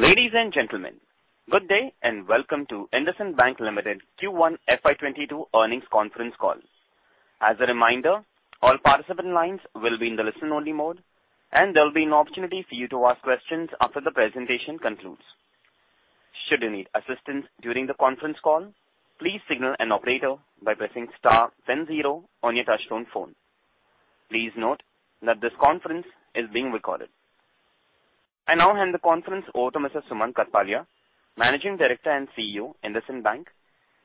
Ladies and gentlemen, good day and welcome to IndusInd Bank Limited Q1 FY 2022 earnings conference call. As a reminder, all participant lines will be in the listen-only mode, and there will be an opportunity to use our questions after the presentation concludes. Should you need assistance during the conference call, please signal an operator by pressing star and zero on your touchtone phone. Please note that this conference is being recorded. I now hand the conference over to Mr. Sumant Kathpalia, Managing Director and CEO, IndusInd Bank.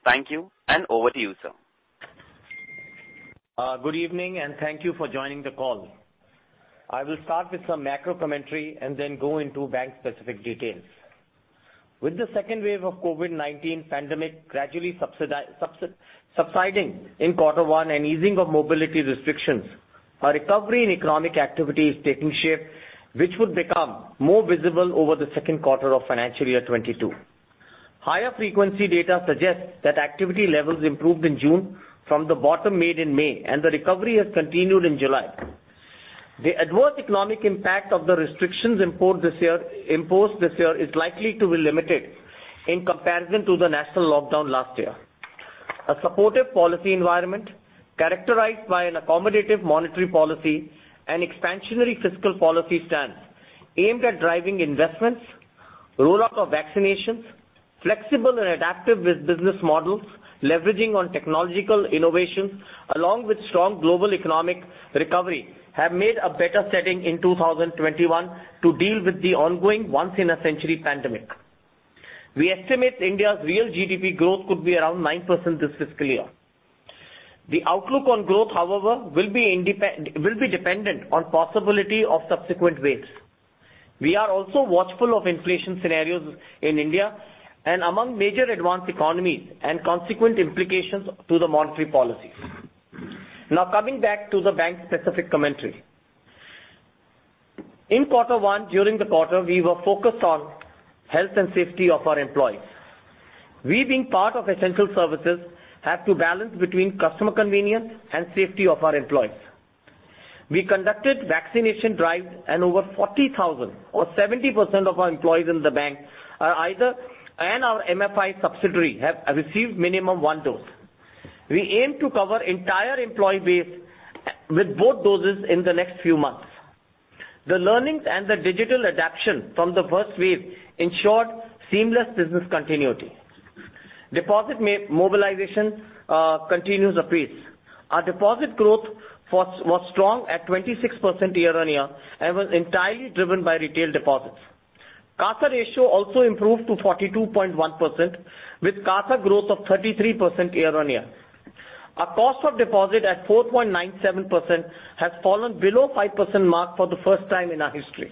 Thank you, and over to you, sir. Good evening. Thank you for joining the call. I will start with some macro commentary and then go into bank specific details. With the second wave of COVID-19 pandemic gradually subsiding in quarter one and easing of mobility restrictions, a recovery in economic activity is taking shape, which would become more visible over the 2nd quarter of financial year 2022. Higher frequency data suggests that activity levels improved in June from the bottom made in May, and the recovery has continued in July. The adverse economic impact of the restrictions imposed this year is likely to be limited in comparison to the national lockdown last year. A supportive policy environment characterized by an accommodative monetary policy and expansionary fiscal policy stance aimed at driving investments, roll-out of vaccinations, flexible and adaptive with business models, leveraging on technological innovations along with strong global economic recovery, have made a better setting in 2021 to deal with the ongoing once-in-a-century pandemic. We estimate India's real Gross Domestic Product growth could be around 9% this fiscal year. The outlook on growth, however, will be dependent on possibility of subsequent waves. We are also watchful of inflation scenarios in India and among major advanced economies and consequent implications to the monetary policies. Now coming back to the bank-specific commentary. In quarter one, during the quarter, we were focused on health and safety of our employees. We being part of essential services have to balance between customer convenience and safety of our employees. We conducted vaccination drives and over 40,000 or 70% of our employees in the bank and our Micro Finance Institution subsidiary have received minimum one dose. We aim to cover entire employee base with both doses in the next few months. The learnings and the digital adaption from the first wave ensured seamless business continuity. Deposit mobilization continues apace. Our deposit growth was strong at 26% year-on-year and was entirely driven by retail deposits. Current Account Savings Account ratio also improved to 42.1%, with CASA growth of 33% year-on-year. Our cost of deposit at 4.97% has fallen below 5% mark for the first time in our history.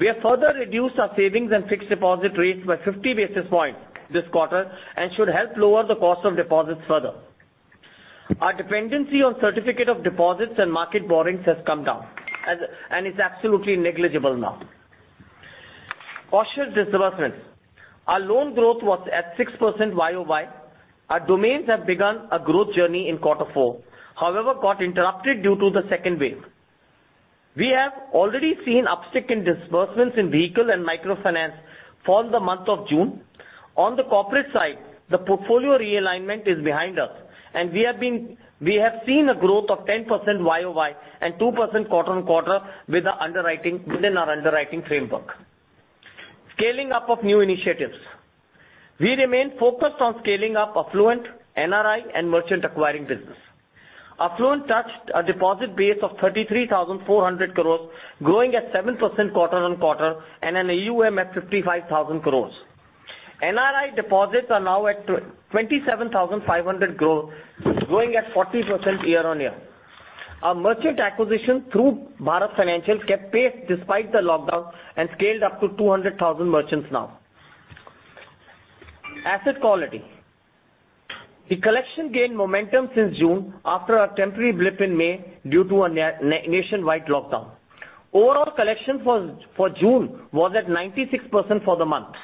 We have further reduced our savings and fixed deposit rates by 50 basis points this quarter and should help lower the cost of deposits further. Our dependency on certificate of deposits and market borrowings has come down and is absolutely negligible now. Cautious disbursements. Our loan growth was at 6% year-on-year. Our disbursements have begun a growth journey in Q4, however, got interrupted due to the second wave. We have already seen uptick in disbursements in vehicle and microfinance for the month of June. On the corporate side, the portfolio realignment is behind us and we have seen a growth of 10% year-on-year and 2% quarter-on-quarter within our underwriting framework. Scaling up of new initiatives. We remain focused on scaling up affluent, Non-Resident Indian, and merchant acquiring business. Affluent touched a deposit base of 33,400 crore, growing at 7% quarter-on-quarter and an assets under management at 55,000 crore. NRI deposits are now at 27,500 crore, growing at 40% year-on-year. Our merchant acquisition through Bharat Financial kept pace despite the lockdown and scaled up to 200,000 merchants now. Asset quality. The collection gained momentum since June after a temporary blip in May due to a nationwide lockdown. Overall collection for June was at 96% for the month.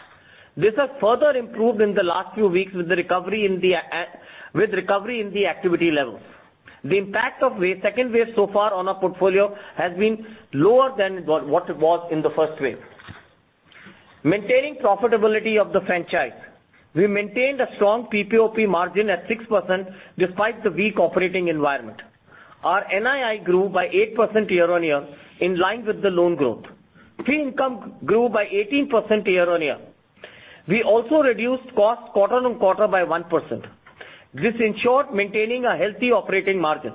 This has further improved in the last few weeks with recovery in the activity levels. The impact of second wave so far on our portfolio has been lower than what it was in the first wave. Maintaining profitability of the franchise. We maintained a strong pre-provision operating profit margin at 6% despite the weak operating environment. Our net interest income grew by 8% year-on-year in line with the loan growth. Fee income grew by 18% year-on-year. We also reduced costs quarter-on-quarter by 1%. This ensured maintaining a healthy operating margin.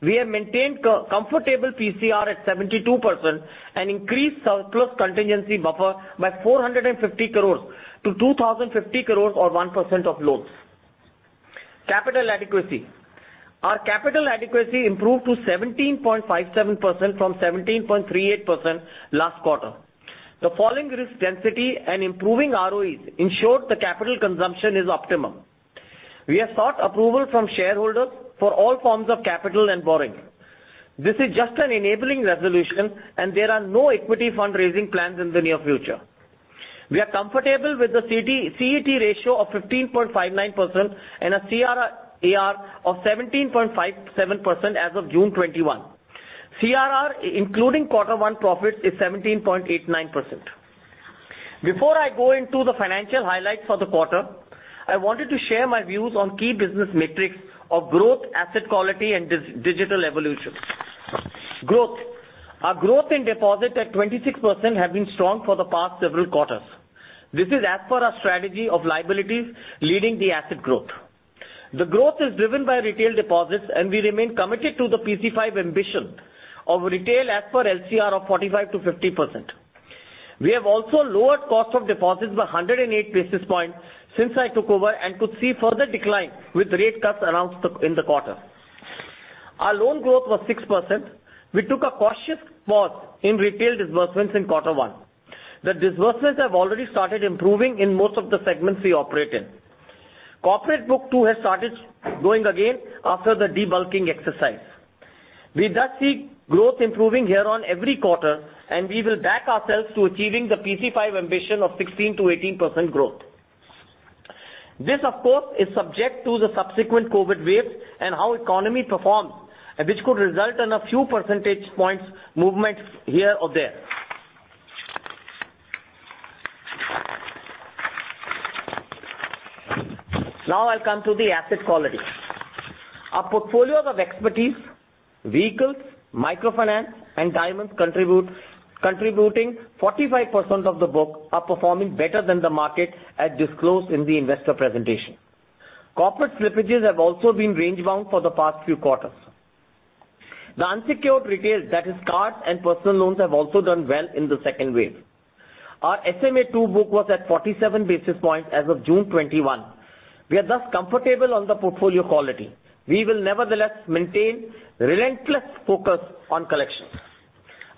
We have maintained comfortable provision coverage ratio at 72% and increased surplus contingency buffer by 450 crore to 2,050 crore or 1% of loans. Capital adequacy. Our capital adequacy improved to 17.57% from 17.38% last quarter. The falling risk density and improving return on equity ensured the capital consumption is optimum. We have sought approval from shareholders for all forms of capital and borrowing. This is just an enabling resolution and there are no equity fundraising plans in the near future. We are comfortable with the Common Equity Tier ratio of 15.59% and a Capital to Risk-Weighted Assets Ratio of 17.57% as of June 21. Cash Reserve Ratio, including quarter one profits, is 17.89%. Before I go into the financial highlights for the quarter, I wanted to share my views on key business metrics of growth, asset quality, and digital evolution. Growth. Our growth in deposit at 26% has been strong for the past several quarters. This is as per our strategy of liabilities leading the asset growth. The growth is driven by retail deposits, and we remain committed to the PC5 ambition of retail as per liquidity coverage ratio of 45%-50%. We have also lowered cost of deposits by 108 basis points since I took over and could see further decline with rate cuts announced in the quarter. Our loan growth was 6%. We took a cautious pause in retail disbursements in quarter one. The disbursements have already started improving in most of the segments we operate in. Corporate book too has started growing again after the debulking exercise. We thus see growth improving here on every quarter, and we will back ourselves to achieving the PC5 ambition of 16%-18% growth. This, of course, is subject to the subsequent COVID-19 waves and how economy performs, which could result in a few percentage points movements here or there. Now I'll come to the asset quality. Our portfolios of expertise, vehicles, microfinance, and diamonds contributing 45% of the book are performing better than the market, as disclosed in the investor presentation. Corporate slippages have also been range-bound for the past few quarters. The unsecured retail, that is cards and personal loans, have also done well in the second wave. Our SMA-2 book was at 47 basis points as of June 2021. We are thus comfortable on the portfolio quality. We will nevertheless maintain relentless focus on collections.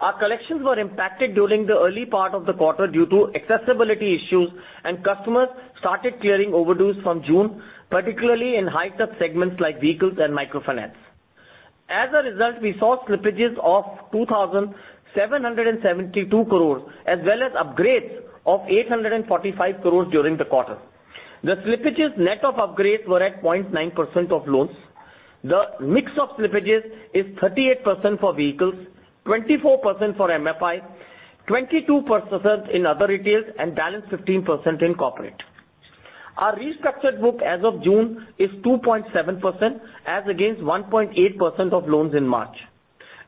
Our collections were impacted during the early part of the quarter due to accessibility issues, and customers started clearing overdues from June, particularly in high-touch segments like vehicles and microfinance. As a result, we saw slippages of 2,772 crore, as well as upgrades of 845 crore during the quarter. The slippages net of upgrades were at 0.9% of loans. The mix of slippages is 38% for vehicles, 24% for MFI, 22% in other retails, and balance 15% in corporate. Our restructured book as of June is 2.7% as against 1.8% of loans in March.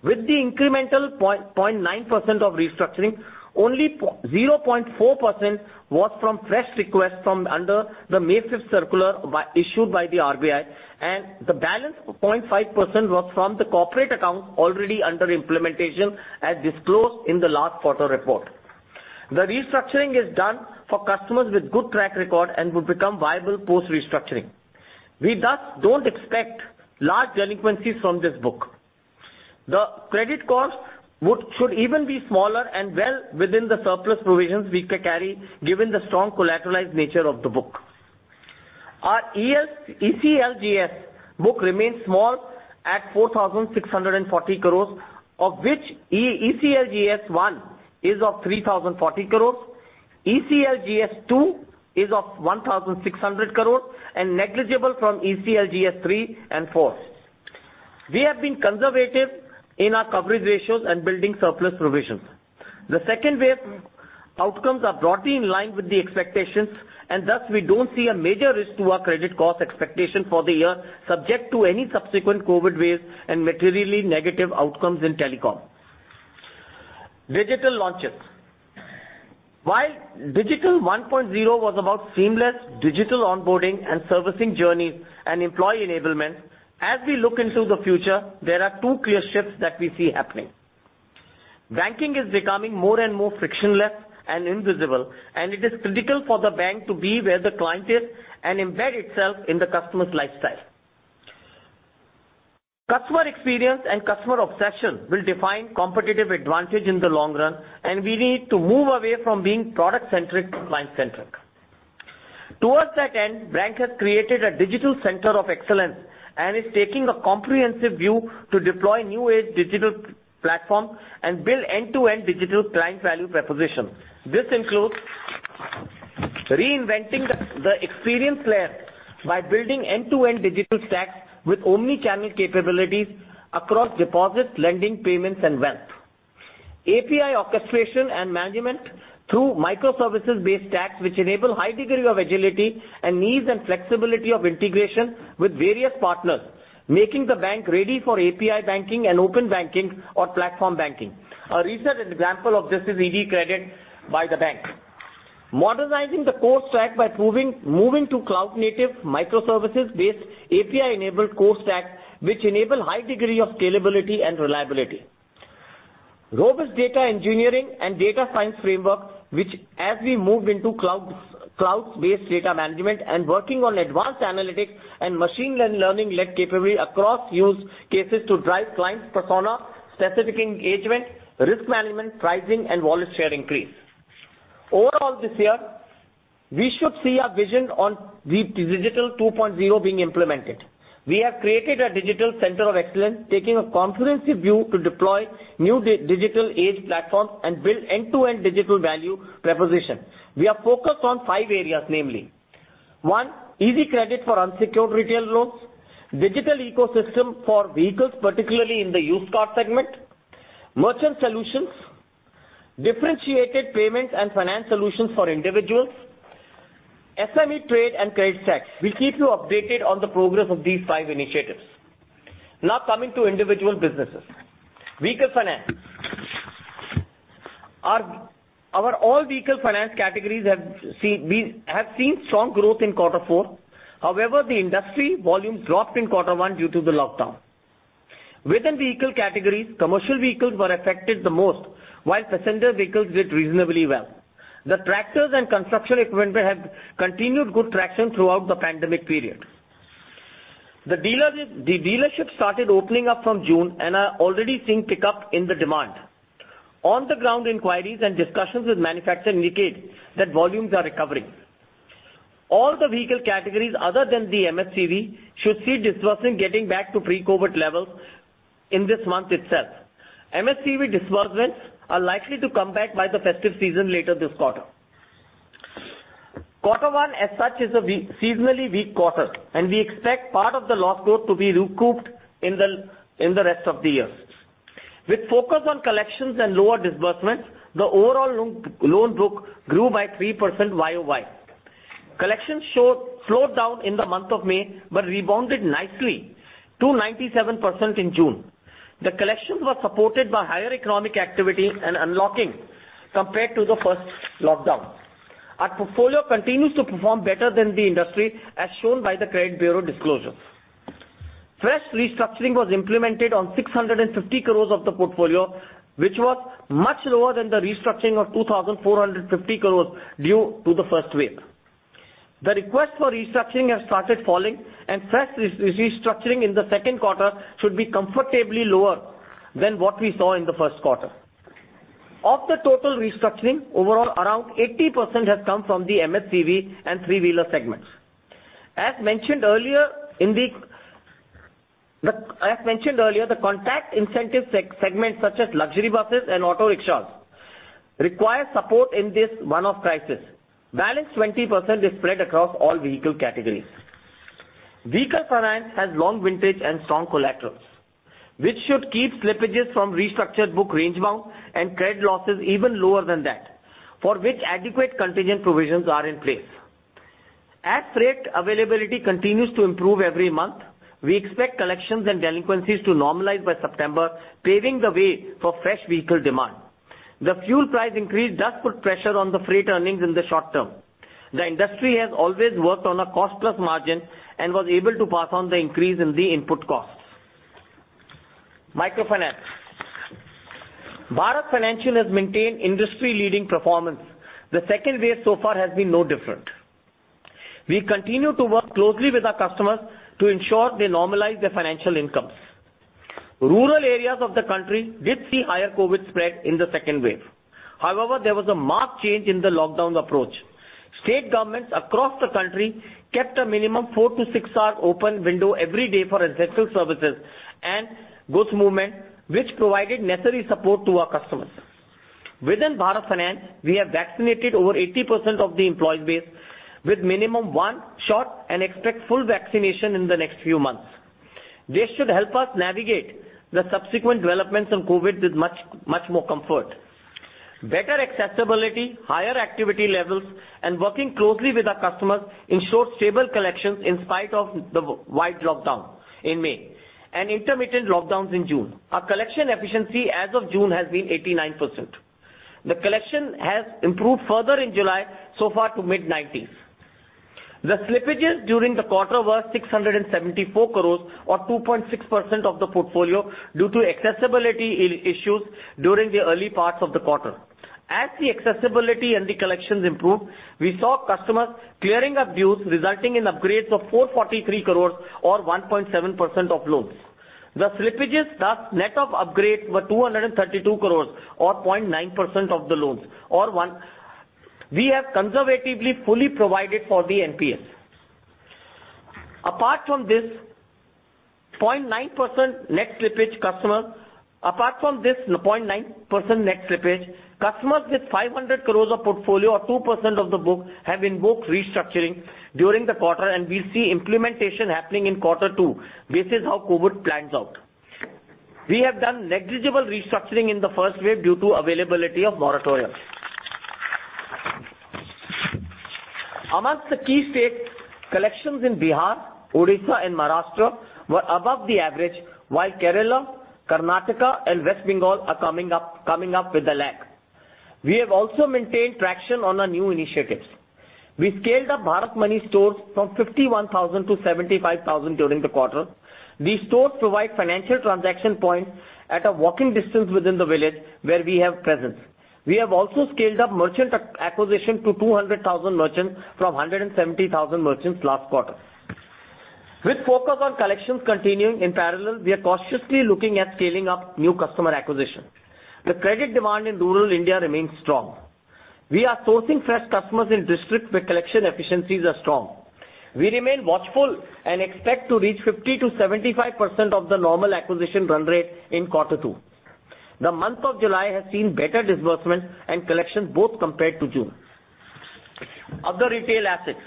With the incremental 0.9% of restructuring, only 0.4% was from fresh requests from under the May 5th circular issued by the Reserve Bank of India, and the balance of 0.5% was from the corporate account already under implementation as disclosed in the last quarter report. The restructuring is done for customers with good track record and would become viable post-restructuring. We thus don't expect large delinquencies from this book. The credit cost should even be smaller and well within the surplus provisions we carry given the strong collateralized nature of the book. Our ECLGS book remains small at 4,640 crores, of which ECLGS 1 is of 3,040 crores, ECLGS 2 is of 1,600 crores, and negligible from ECLGS 3 and ECLGS 4. We have been conservative in our coverage ratios and building surplus provisions. Thus we don't see a major risk to our credit cost expectation for the year subject to any subsequent COVID-19 waves and materially negative outcomes in telecom. Digital launches. While Digital 1.0 was about seamless digital onboarding and servicing journeys and employee enablement, as we look into the future, there are two clear shifts that we see happening. Banking is becoming more and more frictionless and invisible. It is critical for the bank to be where the client is and embed itself in the customer's lifestyle. Customer experience and customer obsession will define competitive advantage in the long run. We need to move away from being product-centric to client-centric. Towards that end, Bank has created a digital center of excellence and is taking a comprehensive view to deploy new age digital platform and build end-to-end digital client value proposition. This includes reinventing the experience layer by building end-to-end digital stacks with omni-channel capabilities across deposits, lending, payments, and wealth. Application programming interface orchestration and management through microservices-based stacks, which enable high degree of agility and ease and flexibility of integration with various partners, making the Bank ready for API banking and open banking or platform banking. A recent example of this is IndusEasyCredit by the Bank. Modernizing the core stack by moving to cloud-native microservices-based API-enabled core stack, which enable high degree of scalability and reliability. Robust data engineering and data science framework, which as we move into cloud-based data management and working on advanced analytics and machine learning-led capability across use cases to drive client persona, specific engagement, risk management, pricing, and wallet share increase. Overall, this year we should see our vision on the Digital 2.0 being implemented. We have created a digital center of excellence, taking a comprehensive view to deploy new digital age platforms and build end-to-end digital value proposition. We are focused on five areas, namely, one, easy credit for unsecured retail loans, digital ecosystem for vehicles, particularly in the used car segment, merchant solutions, differentiated payments and finance solutions for individuals, small and medium enterprises trade and trade tech. We'll keep you updated on the progress of these five initiatives. Coming to individual businesses. Vehicle finance. Our all-vehicle finance categories have seen strong growth in quarter four. However, the industry volume dropped in quarter one due to the lockdown. Within vehicle categories, commercial vehicles were affected the most, while passenger vehicles did reasonably well. The tractors and construction equipment have continued good traction throughout the pandemic period. The dealerships started opening up from June and are already seeing pickup in the demand. On the ground inquiries and discussions with manufacturers indicate that volumes are recovering. All the vehicle categories other than the Medium and Heavy Commercial Vehicle should see disbursements getting back to pre-COVID levels in this month itself. MHCV disbursements are likely to come back by the festive season later this quarter. Quarter one, as such, is a seasonally weak quarter. We expect part of the lost growth to be recouped in the rest of the year. With focus on collections and lower disbursements, the overall loan book grew by 3% year-on-year. Collections slowed down in the month of May, rebounded nicely to 97% in June. The collections were supported by higher economic activity and unlocking compared to the first lockdown. Our portfolio continues to perform better than the industry, as shown by the credit bureau disclosures. Fresh restructuring was implemented on 650 crore of the portfolio, which was much lower than the restructuring of 2,450 crore due to the first wave. The request for restructuring has started falling, fresh restructuring in the second quarter should be comfortably lower than what we saw in the first quarter. Of the total restructuring, overall around 80% has come from the MHCV and three-wheeler segments. As mentioned earlier, the contact-intensive segments such as luxury buses and auto rickshaws require support in this one-off crisis. Balance 20% is spread across all vehicle categories. Vehicle finance has long vintage and strong collaterals, which should keep slippages from restructured book range bound and credit losses even lower than that, for which adequate contingent provisions are in place. As freight availability continues to improve every month, we expect collections and delinquencies to normalize by September, paving the way for fresh vehicle demand. The fuel price increase does put pressure on the freight earnings in the short term. The industry has always worked on a cost-plus margin and was able to pass on the increase in the input costs. Microfinance. Bharat Financial has maintained industry-leading performance. The second wave so far has been no different. We continue to work closely with our customers to ensure they normalize their financial incomes. Rural areas of the country did see higher COVID spread in the second wave. However, there was a marked change in the lockdown approach. State governments across the country kept a minimum four to six hour open window every day for essential services and goods movement, which provided necessary support to our customers. Within Bharat Finance, we have vaccinated over 80% of the employee base with minimum one shot and expect full vaccination in the next few months. This should help us navigate the subsequent developments on COVID-19 with much more comfort. Better accessibility, higher activity levels, and working closely with our customers ensures stable collections in spite of the wide lockdown in May and intermittent lockdowns in June. Our collection efficiency as of June has been 89%. The collection has improved further in July so far to mid-90s. The slippages during the quarter were 674 crore or 2.6% of the portfolio due to accessibility issues during the early parts of the quarter. As the accessibility and the collections improved, we saw customers clearing up dues resulting in upgrades of 443 crores or 1.7% of loans. The slippages thus net of upgrades were 232 crores or 0.9% of the loans [audio ditortion]. We have conservatively fully provided for the NPAs. Apart from this 0.9% net slippage, customers with 500 crores of portfolio or 2% of the book have invoked restructuring during the quarter, and we see implementation happening in quarter two, basis how COVID plans out. We have done negligible restructuring in the first wave due to availability of moratorium. Amongst the key states, collections in Bihar, Odisha, and Maharashtra were above the average, while Kerala, Karnataka, and West Bengal are coming up with a lag. We have also maintained traction on our new initiatives. We scaled up Bharat Money Stores from 51,000 to 75,000 during the quarter. These stores provide financial transaction points at a walking distance within the village where we have presence. We have also scaled up merchant acquisition to 200,000 merchants from 170,000 merchants last quarter. With focus on collections continuing in parallel, we are cautiously looking at scaling up new customer acquisition. The credit demand in rural India remains strong. We are sourcing fresh customers in districts where collection efficiencies are strong. We remain watchful and expect to reach 50%-75% of the normal acquisition run rate in quarter two. The month of July has seen better disbursement and collection both compared to June. Other retail assets.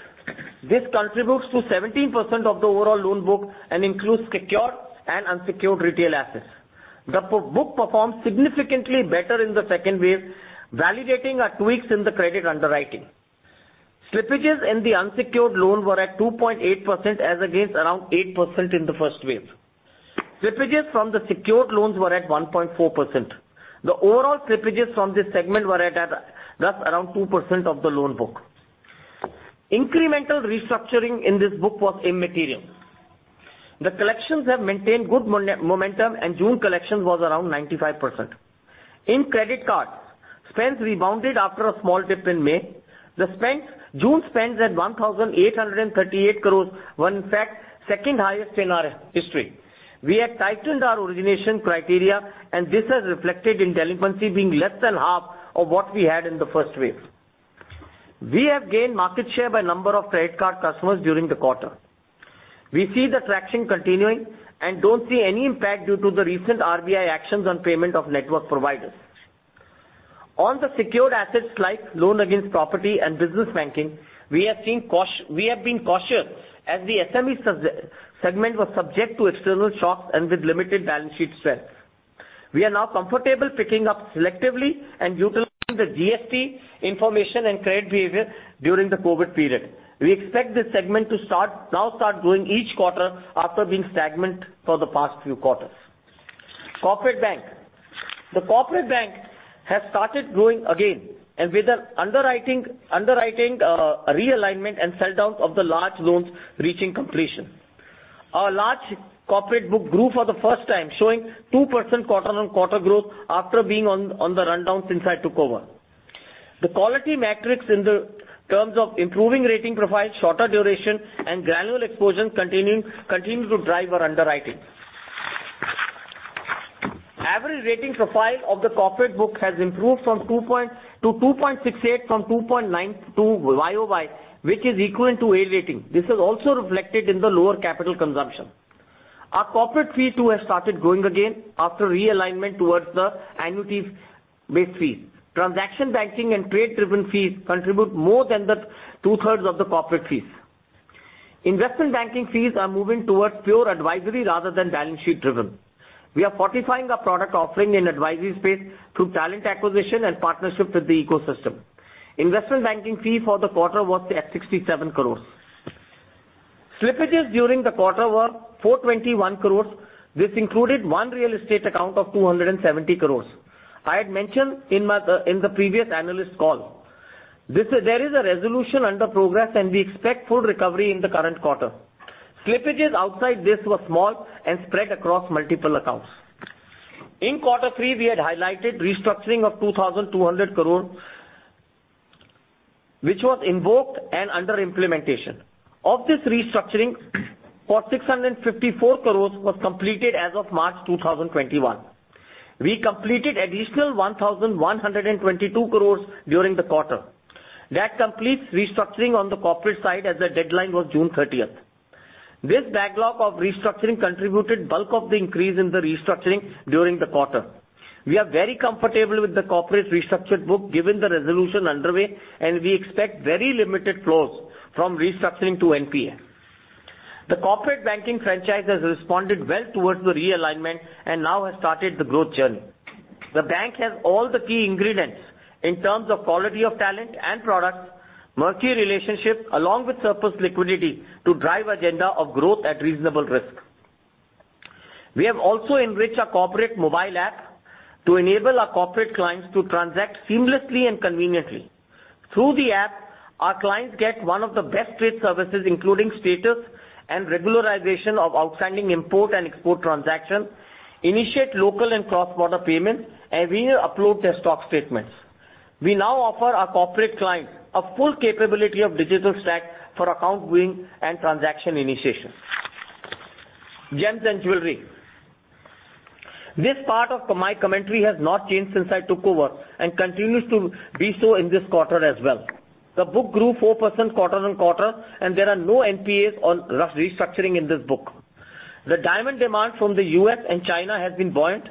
This contributes to 17% of the overall loan book and includes secured and unsecured retail assets. The book performed significantly better in the second wave, validating our tweaks in the credit underwriting. Slippages in the unsecured loan were at 2.8% as against around 8% in the first wave. Slippages from the secured loans were at 1.4%. The overall slippages from this segment were at around 2% of the loan book. Incremental restructuring in this book was immaterial. The collections have maintained good momentum, and June collection was around 95%. In credit cards, spends rebounded after a small dip in May. The June spend is at 1,838 crores, in fact, second highest in our history. We have tightened our origination criteria, and this has reflected in delinquency being less than half of what we had in the first wave. We have gained market share by number of credit card customers during the quarter. We see the traction continuing and don't see any impact due to the recent RBI actions on payment network providers. On the secured assets like Loan Against Property and business banking, we have been cautious as the SME segment was subject to external shocks and with limited balance sheet strength. We are now comfortable picking up selectively and utilizing the Goods and Services Tax information and credit behavior during the COVID period. We expect this segment to now start growing each quarter after being stagnant for the past few quarters. Corporate Bank. The Corporate Bank has started growing again and with an underwriting realignment and sell-down of the large loans reaching completion. Our large corporate book grew for the first time, showing 2% quarter-on-quarter growth after being on the rundown since I took over. The quality metrics in terms of improving rating profile, shorter duration, and granular exposure continue to drive our underwriting. Average rating profile of the corporate book has improved to 2.68 from 2.92 year-on-year, which is equivalent to A rating. This is also reflected in the lower capital consumption. Our corporate fees too have started growing again after realignment towards the annuities-based fees. Transaction banking and trade-driven fees contribute more than the 2/3 of the corporate fees. Investment banking fees are moving towards pure advisory rather than balance sheet-driven. We are fortifying our product offering in advisory space through talent acquisition and partnership with the ecosystem. Investment banking fee for the quarter was at 67 crores. Slippages during the quarter were 421 crores. This included one real estate account of 270 crores. I had mentioned in the previous analyst call. There is a resolution under progress, and we expect full recovery in the current quarter. Slippages outside this were small and spread across multiple accounts. In quarter three, we had highlighted restructuring of 2,200 crores, which was invoked and under implementation. Of this restructuring, 654 crore was completed as of March 2021. We completed additional 1,122 crore during the quarter. That completes restructuring on the corporate side as the deadline was June 30th. This backlog of restructuring contributed bulk of the increase in the restructuring during the quarter. We are very comfortable with the corporate restructured book given the resolution underway, and we expect very limited flows from restructuring to non-performing asset. The corporate banking franchise has responded well towards the realignment and now has started the growth journey. The bank has all the key ingredients in terms of quality of talent and products, key relationships, along with surplus liquidity to drive agenda of growth at reasonable risk. We have also enriched our corporate mobile app to enable our corporate clients to transact seamlessly and conveniently. Through the app, our clients get one of the best trade services, including status and regularization of outstanding import and export transactions, initiate local and cross-border payments, and even upload their stock statements. We now offer our corporate clients a full capability of digital stack for account viewing and transaction initiation. Gems and jewelry. This part of my commentary has not changed since I took over and continues to be so in this quarter as well. The book grew 4% quarter-on-quarter, and there are no NPAs on restructuring in this book. The diamond demand from the U.S. and China has been buoyant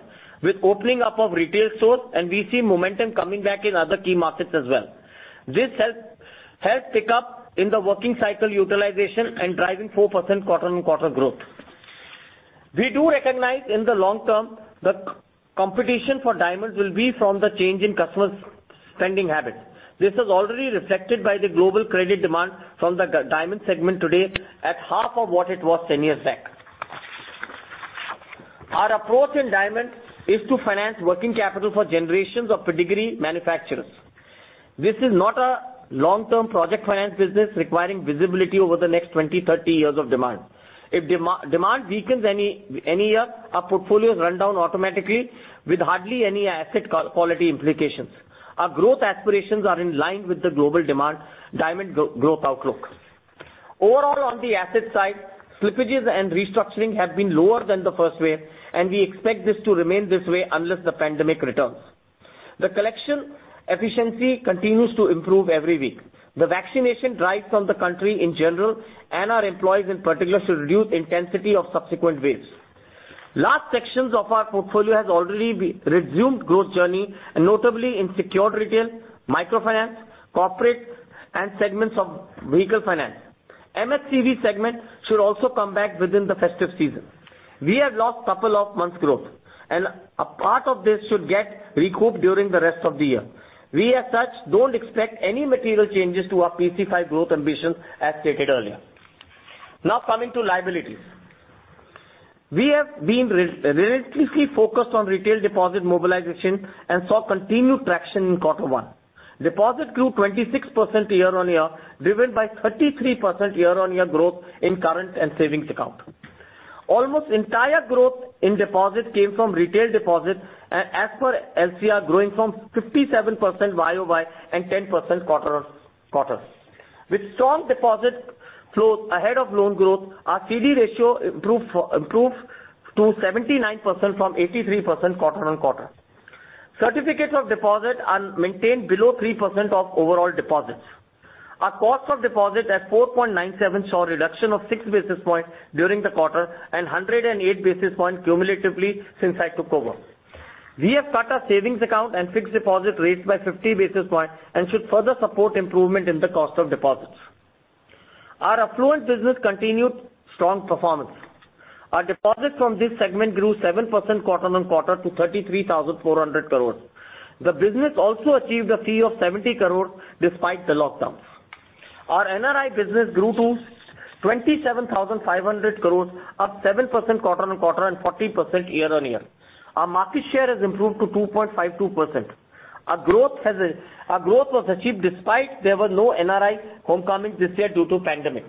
with opening up of retail stores, and we see momentum coming back in other key markets as well. This helped pick up in the working cycle utilization and driving 4% quarter-on-quarter growth. We do recognize in the long term, the competition for diamonds will be from the change in customers' spending habits. This is already reflected by the global credit demand from the diamond segment today at half of what it was 10 years back. Our approach in diamonds is to finance working capital for generations of pedigree manufacturers. This is not a long-term project finance business requiring visibility over the next 20, 30 years of demand. If demand weakens any year, our portfolios run down automatically with hardly any asset quality implications. Our growth aspirations are in line with the global demand diamond growth outlook. Overall, on the asset side, slippages and restructuring have been lower than the first wave, and we expect this to remain this way unless the pandemic returns. The collection efficiency continues to improve every week. The vaccination drives from the country in general and our employees in particular should reduce intensity of subsequent waves. Large sections of our portfolio has already resumed growth journey and notably in secured retail, microfinance, corporate and segments of vehicle finance. MHCV segment should also come back within the festive season. We have lost couple of months' growth. A part of this should get recouped during the rest of the year. We as such, don't expect any material changes to our PC5 growth ambitions, as stated earlier. Coming to liabilities. We have been relentlessly focused on retail deposit mobilization and saw continued traction in Q1. Deposit grew 26% year-on-year, driven by 33% year-on-year growth in current and savings account. Almost entire growth in deposits came from retail deposits, as per LCR, growing from 57% year-on-year and 10% quarter-on-quarter. With strong deposit flows ahead of loan growth, our certificate of deposit ratio improved to 79% from 83% quarter-on-quarter. Certificate of deposit are maintained below 3% of overall deposits. Our cost of deposit at 4.97 saw a reduction of 6 basis points during the quarter and 108 basis points cumulatively since I took over. We have cut our savings account and fixed deposit rates by 50 basis points and should further support improvement in the cost of deposits. Our affluent business continued strong performance. Our deposits from this segment grew 7% quarter-on-quarter to 33,400 crores. The business also achieved a fee of 70 crores despite the lockdowns. Our NRI business grew to 27,500 crores, up 7% quarter-on-quarter and 14% year-on-year. Our market share has improved to 2.52%. Our growth was achieved despite there were no NRI homecoming this year due to pandemic.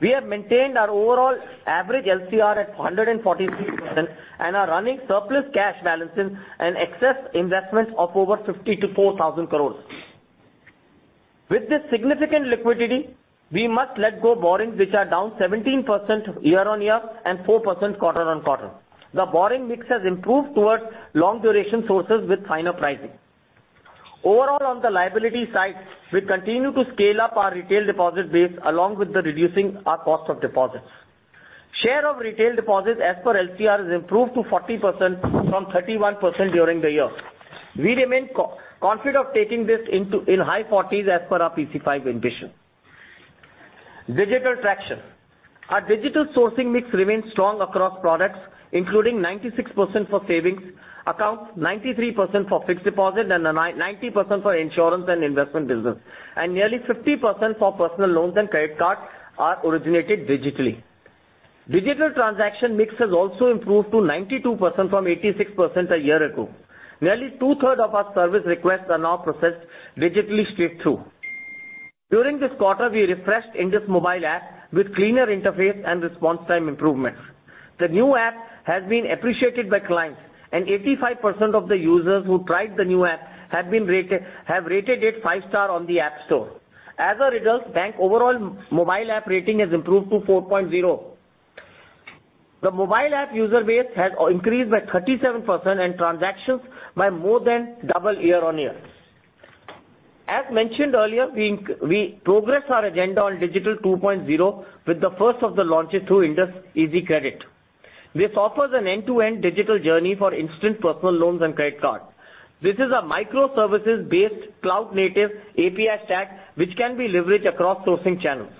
We have maintained our overall average LCR at 143% and are running surplus cash balances and excess investments of over 54,000 crore. With this significant liquidity, we must let go borrowings which are down 17% year-on-year and 4% quarter-on-quarter. The borrowing mix has improved towards long duration sources with finer pricing. On the liability side, we continue to scale up our retail deposit base along with reducing our cost of deposits. Share of retail deposits as per LCR is improved to 40% from 31% during the year. We remain confident of taking this in high 40s as per our PC5 ambition. Digital traction. Our digital sourcing mix remains strong across products, including 96% for savings accounts, 93% for fixed deposit, and 90% for insurance and investment business, and nearly 50% for personal loans and credit cards are originated digitally. Digital transaction mix has also improved to 92% from 86% a year ago. Nearly 2/3 of our service requests are now processed digitally straight through. During this quarter, we refreshed IndusMobile app with cleaner interface and response time improvements. The new app has been appreciated by clients and 85% of the users who tried the new app have rated it 5-star on the App Store. As a result, bank overall mobile app rating has improved to 4.0. The mobile app user base has increased by 37% and transactions by more than double year-on-year. As mentioned earlier, we progress our agenda on Digital 2.0 with the first of the launches through IndusEasyCredit. This offers an end-to-end digital journey for instant personal loans and credit cards. This is a microservices-based cloud-native API stack which can be leveraged across sourcing channels.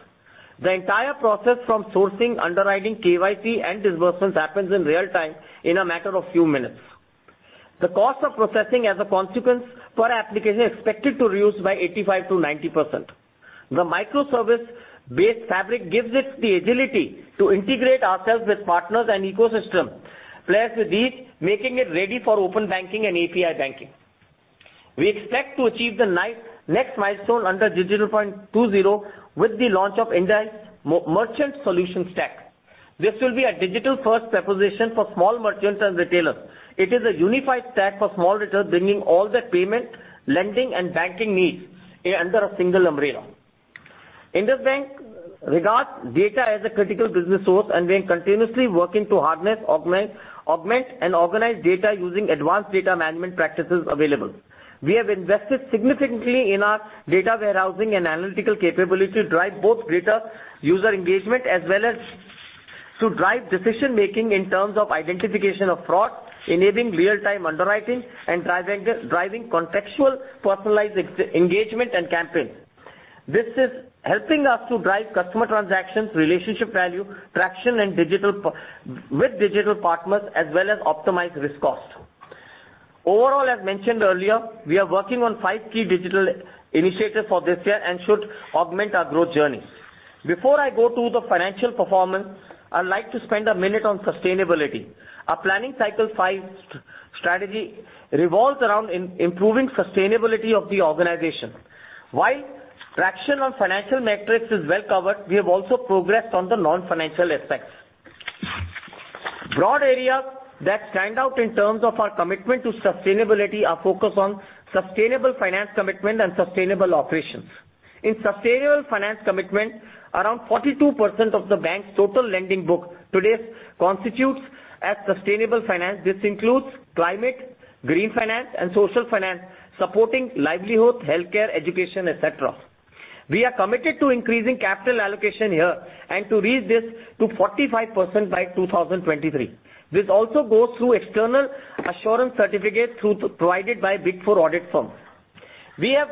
The entire process from sourcing, underwriting, Know Your Customer, and disbursements happens in real time in a matter of few minutes. The cost of processing as a consequence per application is expected to reduce by 85%-90%. The microservice-based fabric gives us the agility to integrate ourselves with partners and ecosystem players with ease, making it ready for open banking and API banking. We expect to achieve the next milestone under Digital 2.0 with the launch of IndusMerchant Solution Stack. This will be a digital-first proposition for small merchants and retailers. It is a unified stack for small retailers bringing all their payment, lending, and banking needs under a single umbrella. IndusInd Bank regards data as a critical business source and we are continuously working to harness, augment, and organize data using advanced data management practices available. We have invested significantly in our data warehousing and analytical capability to drive both greater user engagement as well as to drive decision-making in terms of identification of fraud, enabling real-time underwriting and driving contextual personalized engagement and campaigns. This is helping us to drive customer transactions, relationship value, traction with digital partners, as well as optimize risk cost. Overall, as mentioned earlier, we are working on five key digital initiatives for this year and should augment our growth journey. Before I go to the financial performance, I'd like to spend a minute on sustainability. Our Planning Cycle 5 Strategy revolves around improving sustainability of the organization. While traction on financial metrics is well covered, we have also progressed on the non-financial aspects. Broad areas that stand out in terms of our commitment to sustainability are focused on sustainable finance commitment and sustainable operations. In sustainable finance commitment, around 42% of the bank's total lending book today constitutes as sustainable finance. This includes climate, green finance and social finance, supporting livelihood, healthcare, education, et cetera. We are committed to increasing capital allocation here and to reach this to 45% by 2023. This also goes through external assurance certificates provided by Big Four audit firms. We have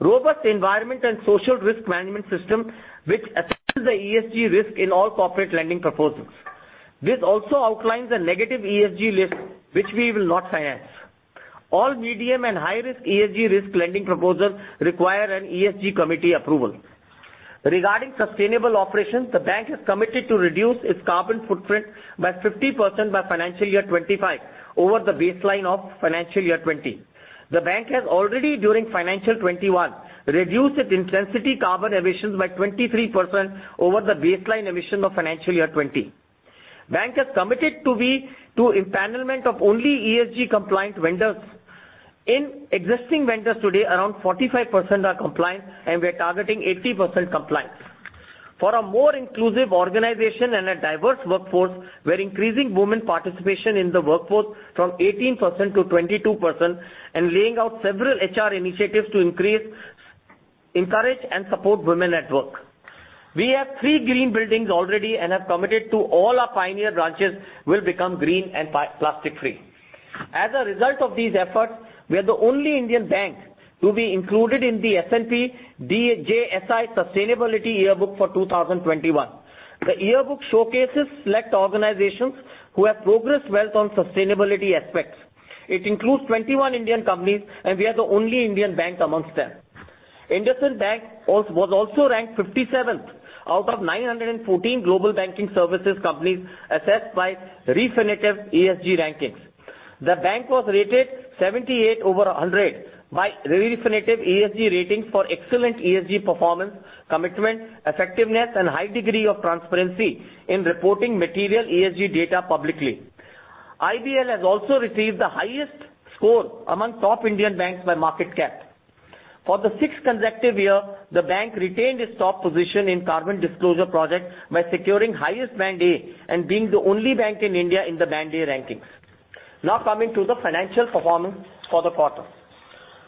robust environment and social risk management system, which assesses the Environmental, Social, and Governance risk in all corporate lending proposals. This also outlines a negative ESG list, which we will not finance. All medium and high-risk ESG risk lending proposals require an ESG committee approval. Regarding sustainable operations, the bank has committed to reduce its carbon footprint by 50% by financial year 2025 over the baseline of financial year 2020. The bank has already during financial 2021, reduced its intensity carbon emissions by 23% over the baseline emission of financial year 2020. Bank has committed to empanelment of only ESG-compliant vendors. In existing vendors today, around 45% are compliant, and we are targeting 80% compliance. For a more inclusive organization and a diverse workforce, we're increasing women participation in the workforce from 18% to 22% and laying out several human resources initiatives to increase, encourage and support women at work. We have three green buildings already and have committed to all our pioneer branches will become green and plastic-free. As a result of these efforts, we are the only Indian bank to be included in the S&P DJSI Sustainability Yearbook for 2021. The yearbook showcases select organizations who have progressed well on sustainability aspects. It includes 21 Indian companies, and we are the only Indian bank amongst them. IndusInd Bank was also ranked 57th out of 914 global banking services companies assessed by Refinitiv ESG rankings. The bank was rated 78 over 100 by Refinitiv ESG ratings for excellent ESG performance, commitment, effectiveness, and high degree of transparency in reporting material ESG data publicly. IndusInd Bank has also received the highest score among top Indian banks by market cap. For the sixth consecutive year, the bank retained its top position in Carbon Disclosure Project by securing highest Band A and being the only bank in India in the Band A rankings. Coming to the financial performance for the quarter.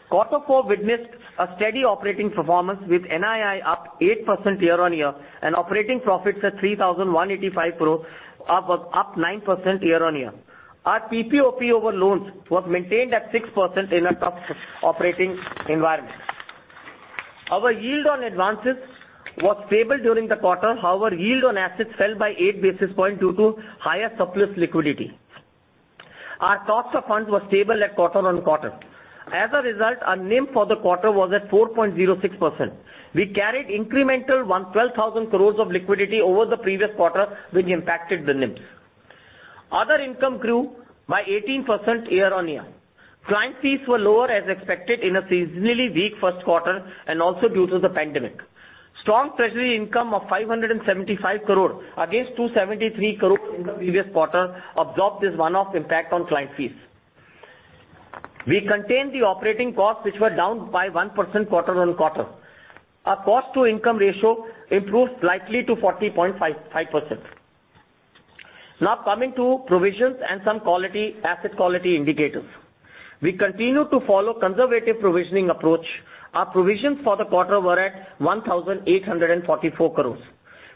Quarter four witnessed a steady operating performance with NII up 8% year-on-year and operating profits at 3,185 crore, up 9% year-on-year. Our PPOP over loans was maintained at 6% in a tough operating environment. Our yield on advances was stable during the quarter. However, yield on assets fell by 8 basis points due to higher surplus liquidity. Our cost of funds was stable at quarter-over-quarter. Our net interest margin for the quarter was at 4.06%. We carried incremental 12,000 crores of liquidity over the previous quarter, which impacted the NIMs. Other income grew by 18% year-over-year. Client fees were lower as expected in a seasonally weak first quarter and also due to the pandemic. Strong treasury income of 575 crore against 273 crore in the previous quarter absorbed this one-off impact on client fees. We contained the operating costs, which were down by 1% quarter-over-quarter. Our cost-to-income ratio improved slightly to 40.5%. Coming to provisions and some asset quality indicators. We continue to follow conservative provisioning approach. Our provisions for the quarter were at 1,844 crores.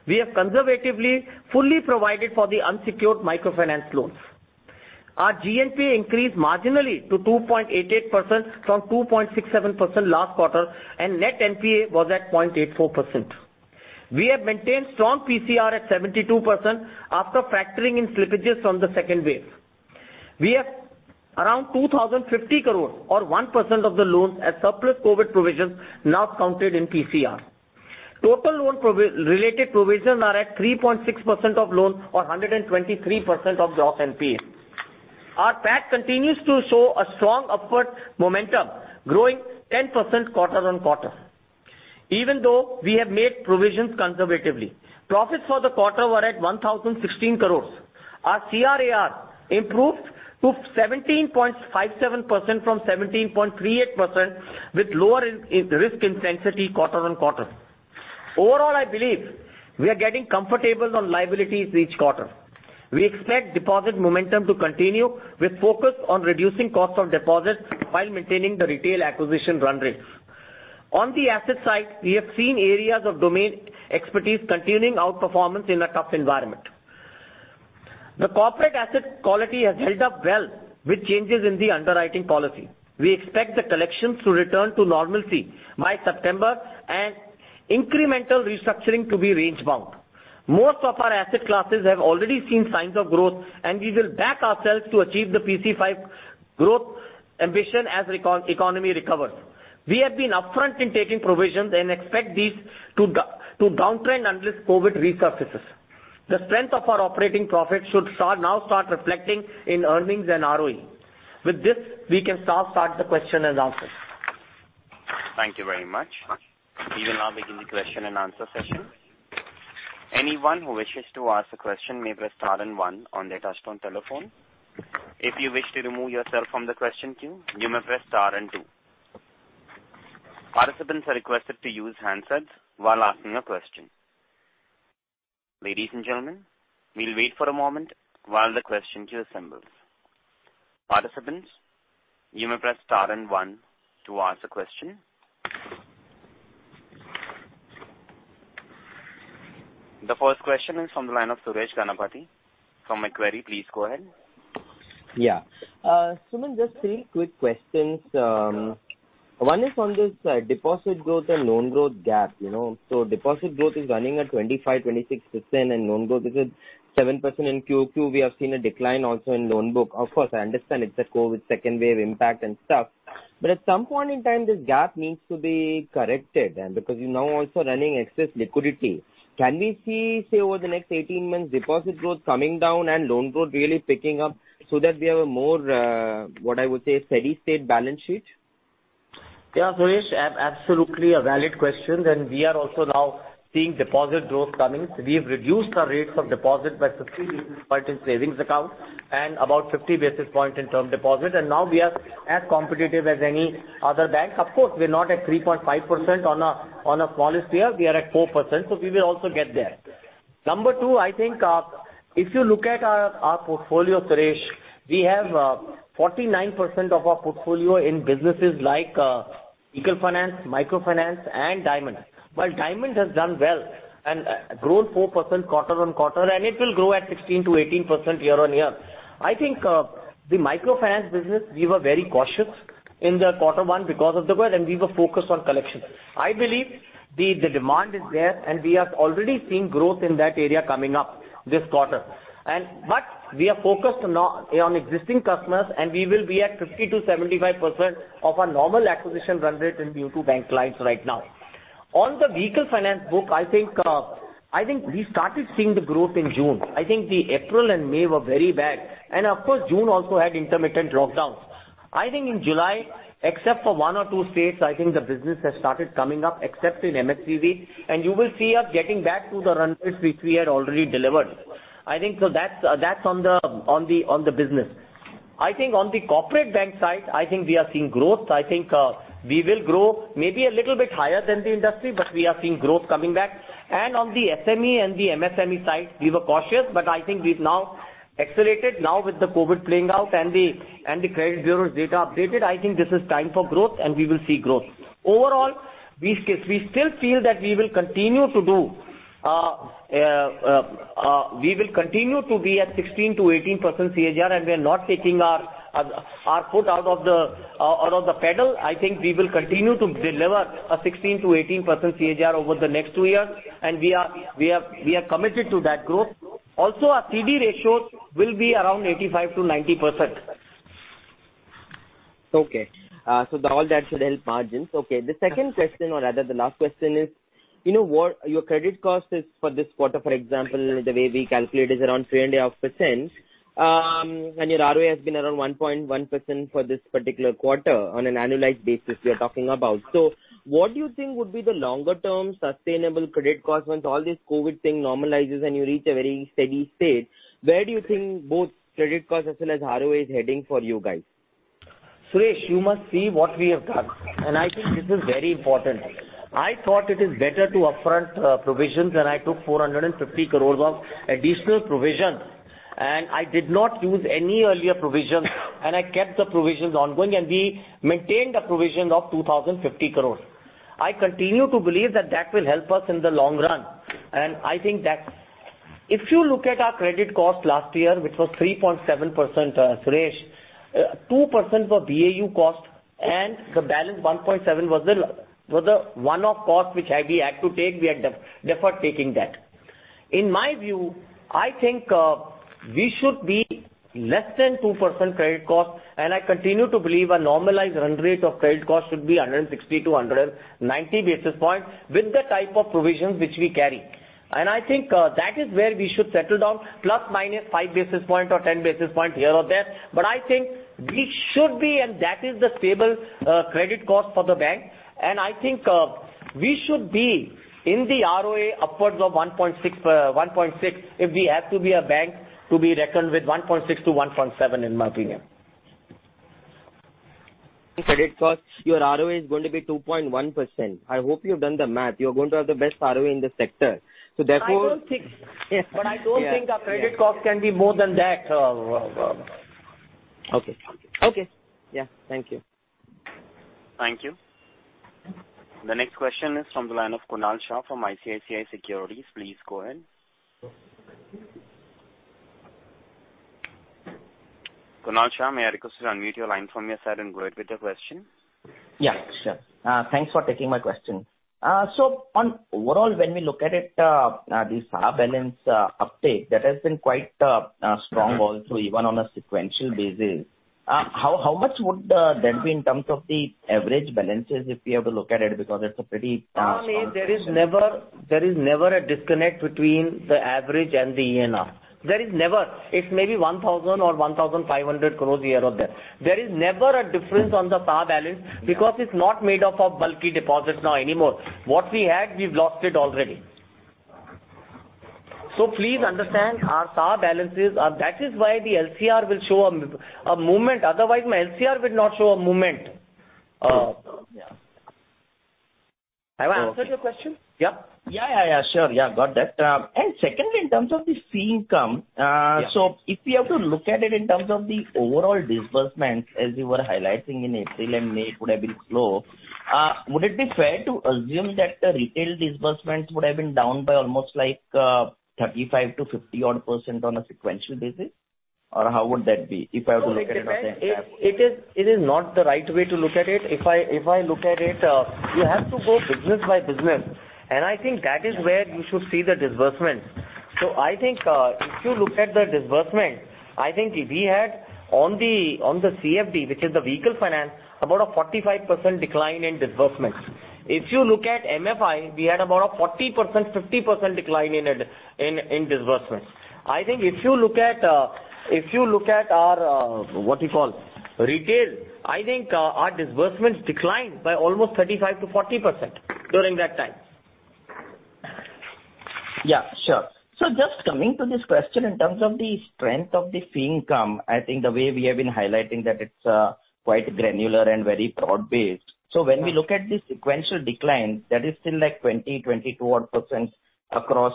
We have conservatively, fully provided for the unsecured microfinance loans. Our gross non-performing asset increased marginally to 2.88% from 2.67% last quarter, and net NPA was at 0.84%. We have maintained strong PCR at 72% after factoring in slippages from the second wave. We have around 2,050 crore or 1% of the loans as surplus COVID provisions now counted in PCR. Total loan-related provisions are at 3.6% of loans or 123% of gross NPA. Our profit after tax continues to show a strong upward momentum, growing 10% quarter-on-quarter. Even though we have made provisions conservatively, profits for the quarter were at 1,016 crores. Our CRAR improved to 17.57% from 17.38% with lower risk intensity quarter-on-quarter. Overall, I believe we are getting comfortable on liabilities each quarter. We expect deposit momentum to continue with focus on reducing cost of deposits while maintaining the retail acquisition run rates. On the asset side, we have seen areas of domain expertise continuing outperformance in a tough environment. The corporate asset quality has held up well with changes in the underwriting policy. We expect the collections to return to normalcy by September and incremental restructuring to be range-bound. Most of our asset classes have already seen signs of growth, and we will back ourselves to achieve the PC5 growth ambition as economy recovers. We have been upfront in taking provisions and expect these to downtrend unless COVID resurfaces. The strength of our operating profit should now start reflecting in earnings and ROE. With this, we can now start the question and answer. Thank you very much. We will now begin the question and answer session. Anyone who wishes to ask a question may press star and one on your touch-tone telephone. If you wish to remove yourself from the question queue, you may press star and two. Participants are required to use handsets while asking a question. Ladies and gentlemen, we'll wait for a moment while the question queue assembles. Participants, you may press star and one to ask a question. The first question is from the line of Suresh Ganapathy from Macquarie. Please go ahead. Yeah. Sumant, just three quick questions. One is on this deposit growth and loan growth gap. Deposit growth is running at 25%-26% and loan growth is at 7% in Q2. We have seen a decline also in loan book. Of course, I understand it's the COVID-19 second wave impact and stuff, at some point in time, this gap needs to be corrected because you're now also running excess liquidity. Can we see, say, over the next 18 months, deposit growth coming down and loan growth really picking up so that we have a more, what I would say, steady state balance sheet? Yeah, Suresh. Absolutely a valid question. We are also now seeing deposit growth coming. We've reduced our rates of deposit by 50 basis points in savings accounts and about 50 basis points in term deposit. Now we are as competitive as any other bank. Of course, we're not at 3.5% on a policy rate, we are at 4%. We will also get there. Number two, I think if you look at our portfolio, Suresh, we have 49% of our portfolio in businesses like vehicle finance, microfinance, and diamond. While diamond has done well and grown 4% quarter-on-quarter, it will grow at 16%-18% year-on-year. I think the microfinance business, we were very cautious in the quarter one because of the COVID. We were focused on collection. I believe the demand is there, and we are already seeing growth in that area coming up this quarter. We are focused on existing customers, and we will be at 50%-75% of our normal acquisition run rate new to bank clients right now. On the vehicle finance book, I think we started seeing the growth in June. I think the April and May were very bad. Of course, June also had intermittent lockdowns. I think in July, except for one or two states, I think the business has started coming up, except in Micro, Small and Medium Business Banking, and you will see us getting back to the run rates which we had already delivered. I think so that's on the business. I think on the corporate bank side, I think we are seeing growth. I think we will grow maybe a little bit higher than the industry, but we are seeing growth coming back. On the SME and the Micro, Small and Medium Enterprises side, we were cautious, but I think we've now accelerated now with the COVID playing out and the credit bureau's data updated. I think this is time for growth and we will see growth. Overall, we still feel that we will continue to be at 16%-18% CAGR and we are not taking our foot out of the pedal. I think we will continue to deliver a 16%-18% CAGR over the next two years, and we are committed to that growth. Also, our CD ratios will be around 85%-90%. Okay. All that should help margins. Okay. The second question, or rather the last question is, your credit cost is for this quarter, for example, the way we calculate is around 3.5%, and your ROA has been around 1.1% for this particular quarter on an annualized basis we are talking about. What do you think would be the longer-term sustainable credit cost once all this COVID-19 thing normalizes and you reach a very steady state? Where do you think both credit cost as well as ROA is heading for you guys? Suresh, you must see what we have done. I think this is very important. I thought it is better to upfront provisions. I took 450 crores of additional provisions. I did not use any earlier provisions. I kept the provisions ongoing. We maintained a provision of 2,050 crores. I continue to believe that that will help us in the long run. If you look at our credit cost last year, which was 3.7%, Suresh, 2% were business as usual cost and the balance 1.7% was the one off cost which we had to take. We had deferred taking that. In my view, I think we should be less than 2% credit cost. I continue to believe a normalized run rate of credit cost should be 160 basis points-190 basis points with the type of provisions which we carry. I think that is where we should settle down, ±5 basis points or 10 basis points here or there. I think we should be. That is the stable credit cost for the bank. I think we should be in the ROA upwards of 1.6%. If we have to be a bank to be reckoned with, 1.6%-1.7%, in my opinion. Credit cost, your ROA is going to be 2.1%. I hope you've done the math. You're going to have the best ROA in the sector. I don't think our credit cost can be more than that. Okay. Okay. Yeah. Thank you. Thank you. The next question is from the line of Kunal Shah from ICICI Securities. Please go ahead. Kunal Shah, may I request you to unmute your line from your side and go ahead with your question? Yeah, sure. Thanks for taking my question. On overall, when we look at it, this balance uptake, that has been quite strong also even on a sequential basis. How much would that be in terms of the average balances, if we have to look at it? Kunal, there is never a disconnect between the average and the end of day. There is never. It's maybe 1,000 crore or 1,500 crore here or there. There is never a difference on the Savings Account balance because it's not made up of bulky deposits now anymore. What we had, we've lost it already. Please understand our SA balances. That is why the LCR will show a movement. Otherwise, my LCR will not show a movement. Yeah. Have I answered your question? Yeah. Sure. Yeah, got that. Secondly, in terms of the fee income. Yeah. If you have to look at it in terms of the overall disbursements, as you were highlighting in April and May would have been slow. Would it be fair to assume that the retail disbursements would have been down by almost 35%-50%-odd on a sequential basis? How would that be if I were to look at it from that way? It is not the right way to look at it. If I look at it, you have to go business by business. That is where you should see the disbursements. If you look at the disbursement, we had on the Consumer Finance Division, which is the vehicle finance, about a 45% decline in disbursements. If you look at MFI, we had about a 40%-50% decline in disbursements. If you look at our retail, our disbursements declined by almost 35%-40% during that time. Yeah, sure. Just coming to this question in terms of the strength of the fee income, I think the way we have been highlighting that it's quite granular and very broad-based. When we look at the sequential decline, that is still like 20%-24% across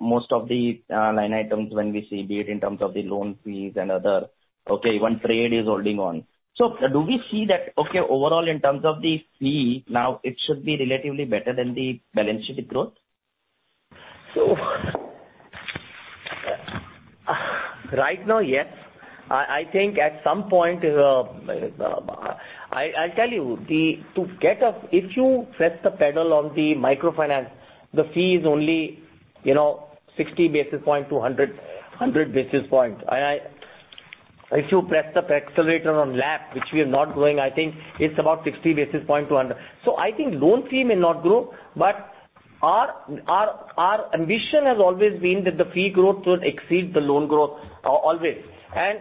most of the line items when we see, be it in terms of the loan fees and other, okay, one trade is holding on. Do we see that, okay, overall in terms of the fee now it should be relatively better than the balance sheet growth? Right now, yes. I tell you, if you press the pedal on the microfinance, the fee is only 60 basis points-100 basis points. If you press the accelerator on Loan Against Property, which we are not doing, I think it's about 60 basis points-100 basis points. I think loan fee may not grow, but our ambition has always been that the fee growth should exceed the loan growth always.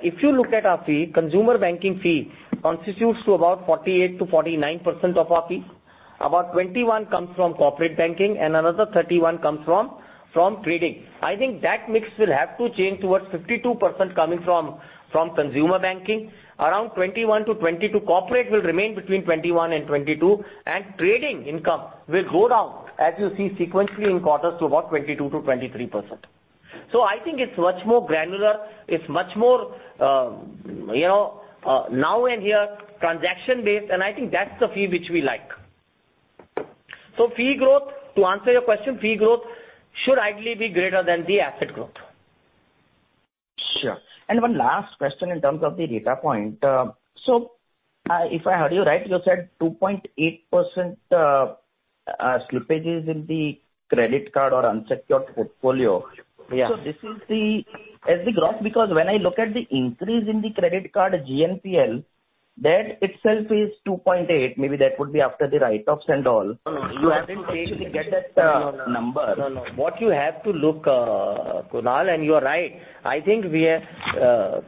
If you look at our fee, consumer banking fee constitutes to about 48%-49% of our fee. About 21% comes from corporate banking and another 31% comes from trading. I think that mix will have to change towards 52% coming from consumer banking. Around 21%-22%, corporate will remain between 21% and 22%. Trading income will go down as you see sequentially in quarters to about 22%-23%. I think it's much more granular. It's much more now and here transaction based, and I think that's the fee which we like. To answer your question, fee growth should ideally be greater than the asset growth. Sure. One last question in terms of the data point. If I heard you right, you said 2.8% slippages in the credit card or unsecured portfolio. Yeah. This is the asset growth because when I look at the increase in the credit card gross non-performing loan, that itself is 2.8%. Maybe that would be after the write-offs and all. No. You have to take to get that number. No. What you have to look, Kunal, and you are right. I think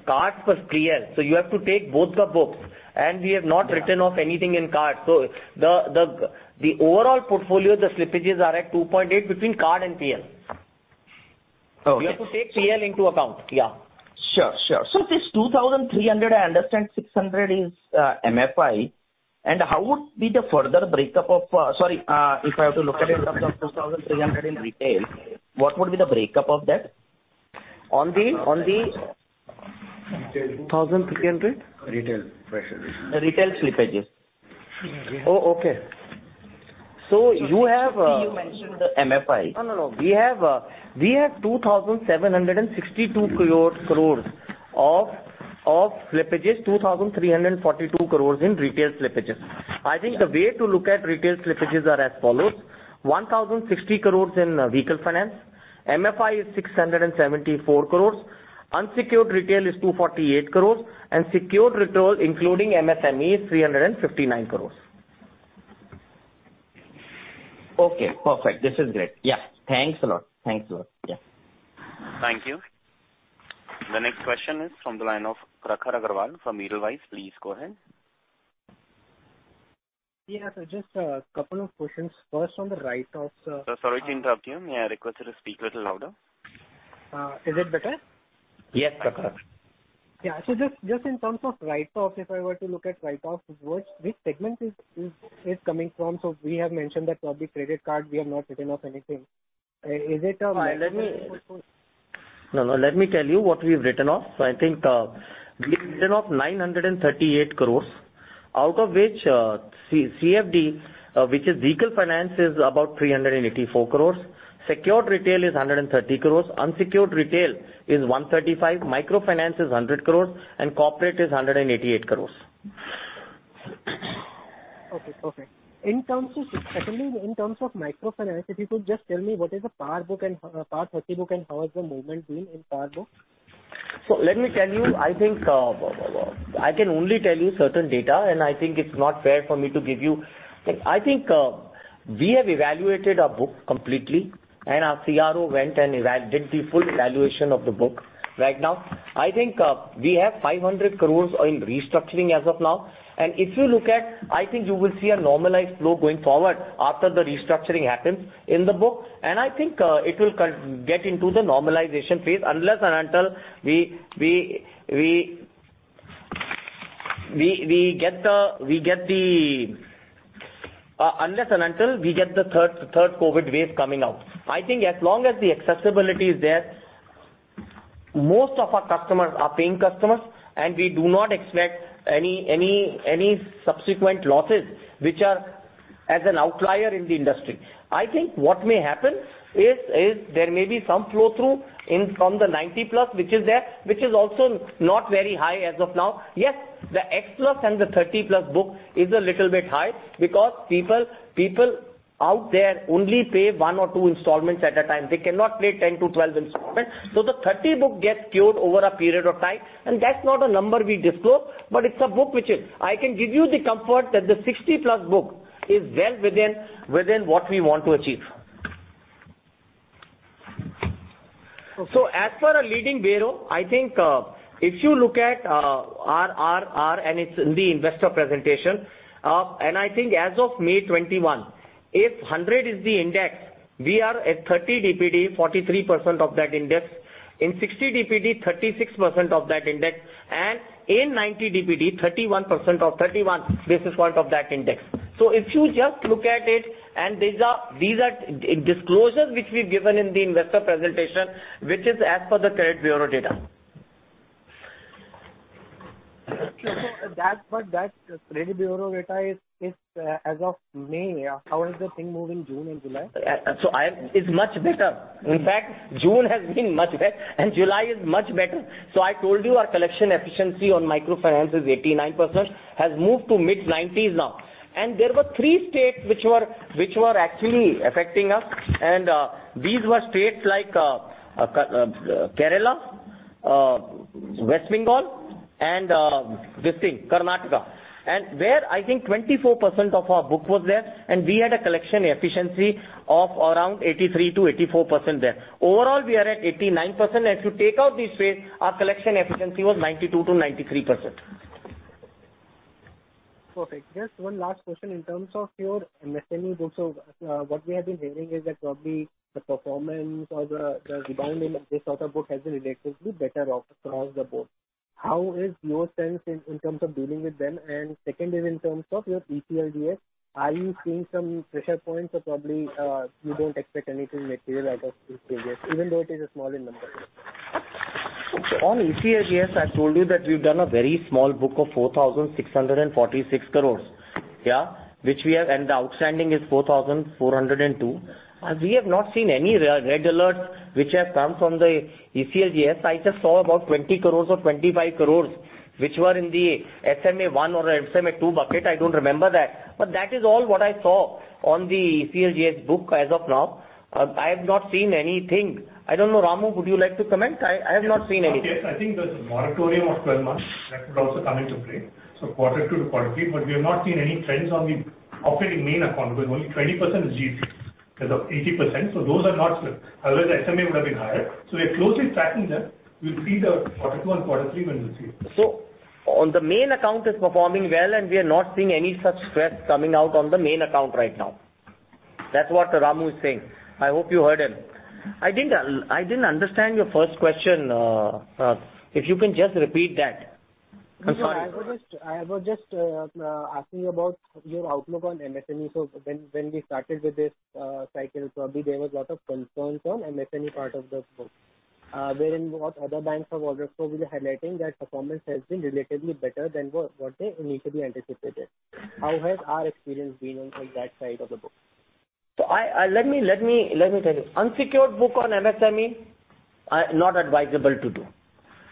card was clear. You have to take both the books. We have not written off anything in card. The overall portfolio, the slippages are at 2.8% between card and personal loan. Okay. You have to take PL into account. Yeah. Sure. This 2,300, I understand 600 is MFI. How would be the further breakup of Sorry, if I have to look at it in terms of 2,300 in retail, what would be the breakup of that? On the. Retail slippages. Oh, okay. We have 2,762 crores of slippages, 2,342 crores in retail slippages. I think the way to look at retail slippages are as follows: 1,060 crores in vehicle finance, MFI is 674 crores, unsecured retail is 248 crores, and secured retail, including MSME, is 359 crores. Okay, perfect. This is great. Yeah. Thanks a lot. Thank you. The next question is from the line of Prakhar Agarwal from Edelweiss. Please go ahead. Yeah. Just a couple of questions. First, on the write-offs. Sorry to interrupt you. May I request you to speak a little louder? Is it better? Yes, Prakhar. Yeah. Just in terms of write-offs, if I were to look at write-offs, which segment is it coming from? We have mentioned that probably credit card, we have not written off anything. No. Let me tell you what we've written off. I think we've written off 938 crores, out of which CFD, which is vehicle finance, is about 384 crores. Secured retail is 130 crores. Unsecured retail is 135 crores. Microfinance is 100 crores. Corporate is 188 crores. Secondly, in terms of microfinance, if you could just tell me what is the SA book and SMA-2 book and how is the movement been in SA book? Let me tell you, I can only tell you certain data, and I think it's not fair for me to give you. I think we have evaluated our book completely, and our Chief Risk Officer went and did the full valuation of the book. Right now, I think we have 500 crore in restructuring as of now. If you look at, I think you will see a normalized flow going forward after the restructuring happens in the book. I think it will get into the normalization phase unless and until we get the third COVID wave coming out. I think as long as the accessibility is there, most of our customers are paying customers and we do not expect any subsequent losses which are as an outlier in the industry. I think what may happen is there may be some flow-through from the 90+, which is there, which is also not very high as of now. The X-plus and the 30+ book is a little bit high because people out there only pay one or two installments at a time. They cannot pay 10-12 installments. The 30-book gets cured over a period of time, and that's not a number we disclose. I can give you the comfort that the 60+ book is well within what we want to achieve. As for a leading bureau, I think if you look at our Reverse Repo Rate, and it's in the investor presentation. I think as of May 2021, if 100 is the index, we are at 30 days past due, 43% of that index. In 60 DPD, 36% of that index and in 90 DPD, 31% or 31 basis points of that index. If you just look at it, and these are disclosures which we've given in the investor presentation, which is as per the credit bureau data. Okay. That credit bureau data is as of May. How is the thing moving June and July? It's much better. In fact, June has been much better and July is much better. I told you our collection efficiency on microfinance is 89%, has moved to mid-90s now. There were three states which were actually affecting us and these were states like Kerala, West Bengal and this thing, Karnataka. Where I think 24% of our book was there, and we had a collection efficiency of around 83%-84% there. Overall, we are at 89% and if you take out these states, our collection efficiency was 92%-93%. Perfect. Just one last question in terms of your MSME books. What we have been hearing is that probably the performance or the rebound in this sort of book has been relatively better off across the board. How is your sense in terms of dealing with them and secondly, in terms of your ECLGS, are you seeing some pressure points or probably you don't expect anything material out of ECLGS even though it is small in numbers? On ECLGS, I told you that we've done a very small book of 4,646 crore. Yeah. The outstanding is 4,402. We have not seen any red alerts which have come from the ECLGS. I just saw about 20 crore or 25 crore which were in the SMA-1 or SMA-2 bucket. I don't remember that. That is all what I saw on the ECLGS book as of now. I have not seen anything. I don't know, Ramu, would you like to comment? I have not seen anything. Yes, I think there's a moratorium of 12 months that would also come into play. Quarter two to quarter three, but we have not seen any trends on the operating main account because only 20% is ECLGS as of 80%. Those are not split. Otherwise, SMA would have been higher. We are closely tracking them. We'll see the quarter one, quarter three when we see it. On the main account is performing well and we are not seeing any such stress coming out on the main account right now. That's what Ramu is saying. I hope you heard him. I didn't understand your first question. If you can just repeat that. I'm sorry. I was just asking about your outlook on MSME. When we started with this cycle, probably there was lot of concerns on MSME part of the book. Wherein what other banks have also been highlighting that performance has been relatively better than what they initially anticipated. How has our experience been on that side of the book? Let me tell you. Unsecured book on MSME, not advisable to do.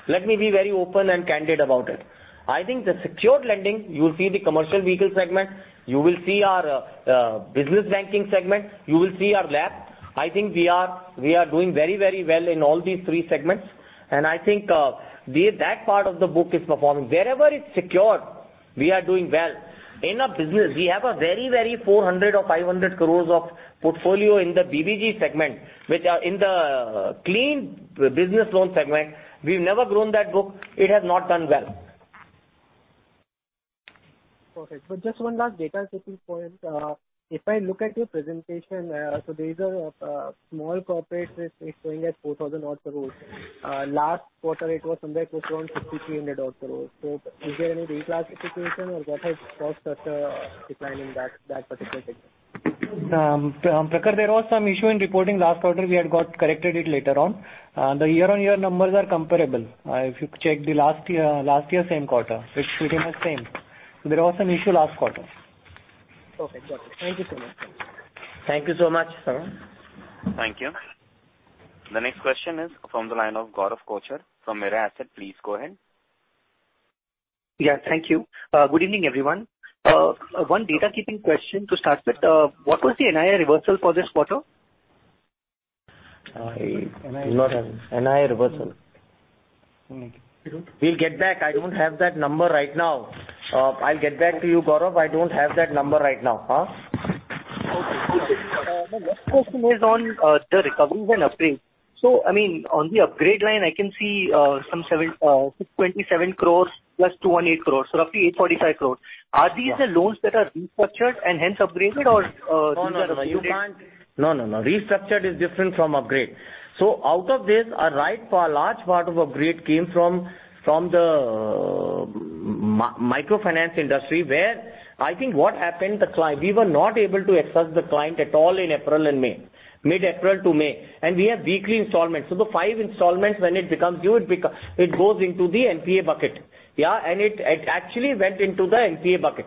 Let me be very open and candid about it. I think the secured lending, you will see the commercial vehicle segment, you will see our business banking segment, you will see our LAP. I think we are doing very well in all these three segments. I think that part of the book is performing. Wherever it's secured, we are doing well. In our business, we have a very 400 crore or 500 crore of portfolio in the BBG segment, which are in the clean business loan segment. We've never grown that book. It has not done well. Perfect. Just one last data-keeping point. If I look at your presentation, there is a small corporate risk which is going at INR 4,000 odd crore. Last quarter, it was somewhere close to around INR 5,300 odd crore. Is there any reclassification or what has caused such a decline in that particular segment? Prakhar, there was some issue in reporting last quarter. We had got corrected it later on. The year-on-year numbers are comparable. If you check the last year same quarter, it should have been the same. There was an issue last quarter. Perfect. Got it. Thank you so much. Thank you so much, sir. Thank you. The next question is from the line of Gaurav Jani from Prabhudas Lilladher. Please go ahead. Yeah, thank you. Good evening, everyone. One data keeping question to start with. What was the NII reversal for this quarter? I do not have. NPA reversal. We don't. We'll get back. I don't have that number right now. I'll get back to you, Gaurav. I don't have that number right now. My next question is on the recoveries and upgrades. On the upgrade line, I can see some 27 crores + 208 crores, roughly 245 crores. Are these the loans that are restructured and hence upgraded? No, restructured is different from upgrade. Out of this, a large part of upgrade came from the microfinance industry where I think what happened, we were not able to access the client at all in April and May. Mid-April to May. We have weekly installments. The five installments when it becomes due, it goes into the NPA bucket. It actually went into the NPA bucket.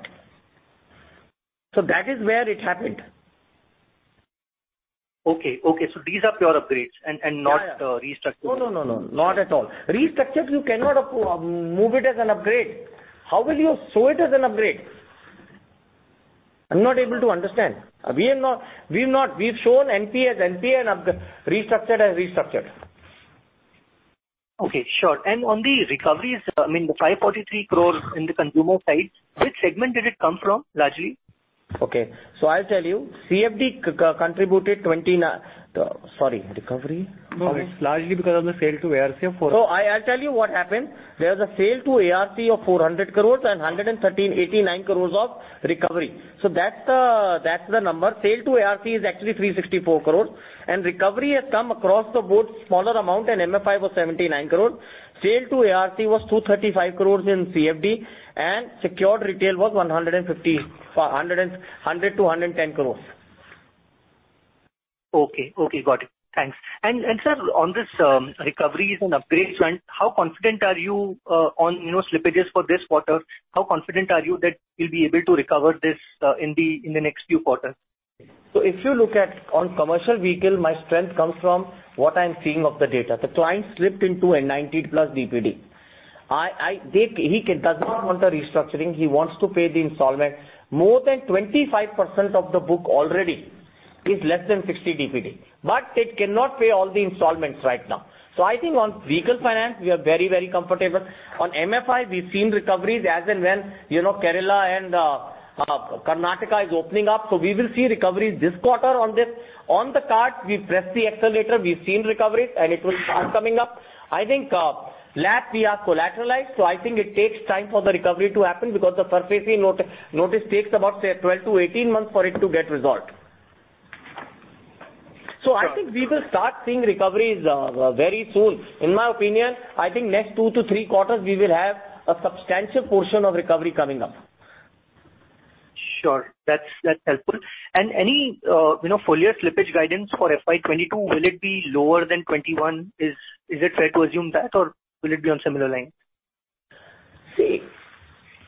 That is where it happened. Okay. These are pure upgrades and restructuring. No, not at all. Restructured you cannot approve. Move it as an upgrade. How will you show it as an upgrade? I am not able to understand. We have shown NPA as NPA and restructured as restructured. Okay, sure. On the recoveries, the 543 crore in the consumer side, which segment did it come from largely? Okay. I'll tell you. CFD contributed 20. Sorry. Recovery? No, it's largely because of the sale to Asset Reconstruction Company. I'll tell you what happened. There's a sale to ARC of 400 crore and 189 crore of recovery. That's the number. Sale to ARC is actually 364 crore, and recovery has come across the board, smaller amount in MFI was 79 crore. Sale to ARC was 235 crore in CFD, and secured retail was 100 crore-110 crore. Okay, got it. Thanks. Sir, on this recoveries and upgrades front, how confident are you on slippages for this quarter? How confident are you that you'll be able to recover this in the next few quarters? If you look at on commercial vehicle, my strength comes from what I am seeing of the data. The client slipped into a 90+ DPD. He does not want a restructuring. He wants to pay the installment. More than 25% of the book already is less than 60 DPD. It cannot pay all the installments right now. I think on vehicle finance, we are very comfortable. On MFI, we've seen recoveries as and when Kerala and Karnataka is opening up. We will see recoveries this quarter on this. On the card, we've pressed the accelerator, we've seen recoveries, and it will start coming up. I think [audio ditortion], so I think it takes time for the recovery to happen because the SARFAESI notice takes about, say, 12-18 months for it to get resolved. I think we will start seeing recoveries very soon. In my opinion, I think next two to three quarters, we will have a substantial portion of recovery coming up. Sure. That's helpful. Any full year slippage guidance for FY 2022, will it be lower than 2021? Is it fair to assume that, or will it be on similar line?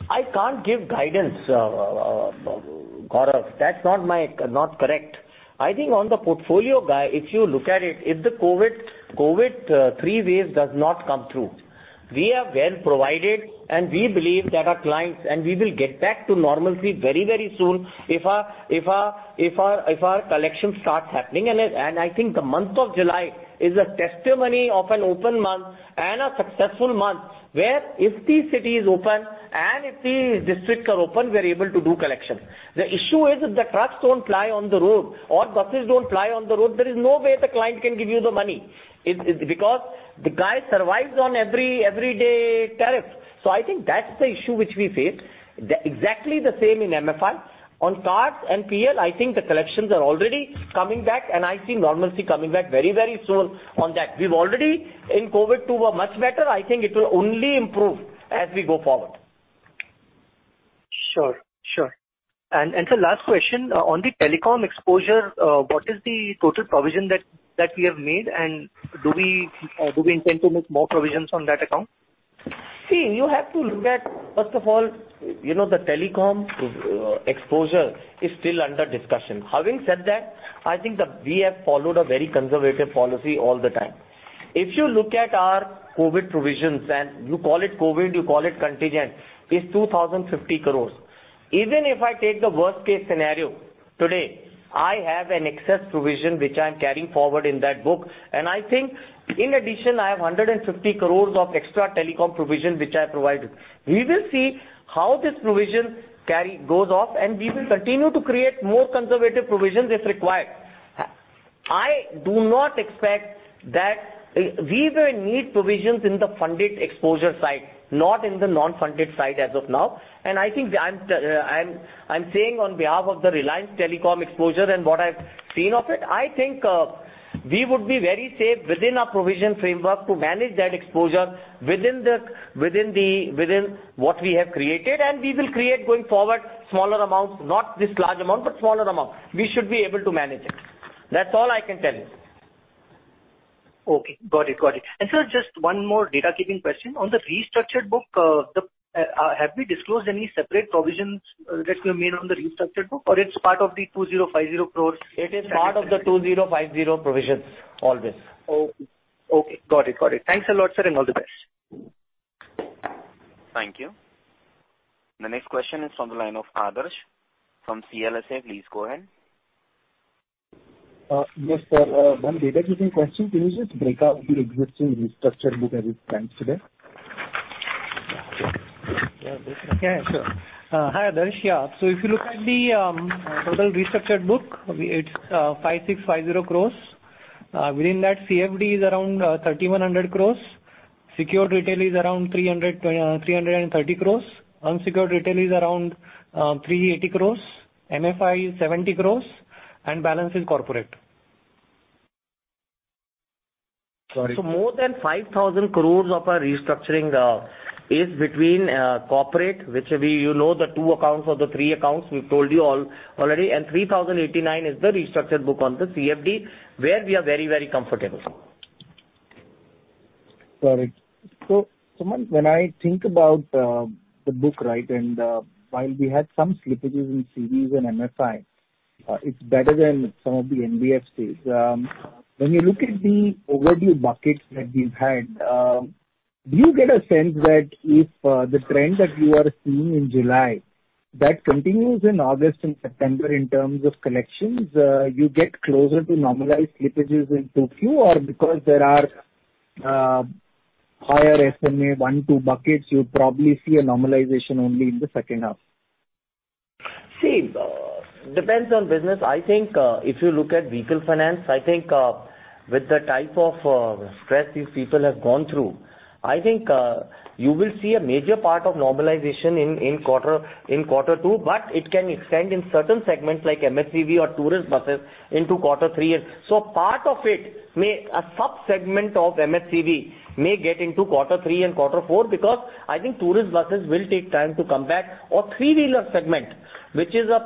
I can't give guidance, Gaurav. That's not correct. I think on the portfolio guide, if you look at it, if the COVID third wave does not come through, we are well provided, and we believe that and we will get back to normalcy very soon if our collection starts happening. I think the month of July is a testimony of an open month and a successful month where if the city is open and if the districts are open, we're able to do collection. The issue is if the trucks don't ply on the road or buses don't ply on the road, there is no way the client can give you the money. The guy survives on everyday tariff. I think that's the issue which we face. Exactly the same in MFI. On cards and PL, I think the collections are already coming back, and I see normalcy coming back very soon on that. We've already in COVID too were much better. I think it will only improve as we go forward. Sure. Sir, last question. On the telecom exposure, what is the total provision that we have made? Do we intend to make more provisions on that account? See, you have to look at, first of all, the telecom exposure is still under discussion. Having said that, I think that we have followed a very conservative policy all the time. If you look at our COVID provisions, and you call it COVID, you call it contingent, is 2,050 crores. Even if I take the worst case scenario today, I have an excess provision which I'm carrying forward in that book, and I think in addition, I have 150 crores of extra telecom provision which I provided. We will see how this provision goes off, and we will continue to create more conservative provisions if required. I do not expect that we will need provisions in the funded exposure side, not in the non-funded side as of now. I think I'm saying on behalf of the Reliance telecom exposure and what I've seen of it. I think we would be very safe within our provision framework to manage that exposure within what we have created, and we will create going forward smaller amounts. Not this large amount, but smaller amount. We should be able to manage it. That's all I can tell you. Okay. Got it. Sir, just one more data keeping question. On the restructured book, have we disclosed any separate provisions that we made on the restructured book, or it's part of the 2,050 crores? It is part of the 2,050 provisions always. Okay. Got it. Thanks a lot, sir. All the best. Thank you. The next question is from the line of Adarsh Parasrampuria from CLSA. Please go ahead. Yes, sir. One data keeping question. Can you just break out your existing restructured book as it stands today? [audio ditortion] Hi, Adarsh. Yeah. If you look at the total restructured book, it is 5,650 crores. Within that, CFD is around 3,100 crores. Secured retail is around 330 crores. Unsecured retail is around 380 crores. MFI is 70 crores, and balance is corporate. More than 5,000 crores of our restructuring is between corporate, which you know the two accounts or the three accounts we've told you already, and 3,089 is the restructured book on the CFD, where we are very comfortable. Got it. Sumant, when I think about the book, and while we had some slippages in CVs and MFIs, it's better than some of the NBFCs. When you look at the overdue buckets that we've had, do you get a sense that if the trend that you are seeing in July, that continues in August and September in terms of collections, you get closer to normalized slippages into quarter or because there are higher SMA one, two buckets, you probably see a normalization only in the second half. See, depends on business. I think if you look at vehicle finance, I think with the type of stress these people have gone through, I think you will see a major part of normalization in quarter two, but it can extend in certain segments like MHCV or tourist buses into quarter three. So part of it, a sub-segment of MHCV may get into quarter three and quarter four because I think tourist buses will take time to come back. Three-[audio ditortion] segment, which is a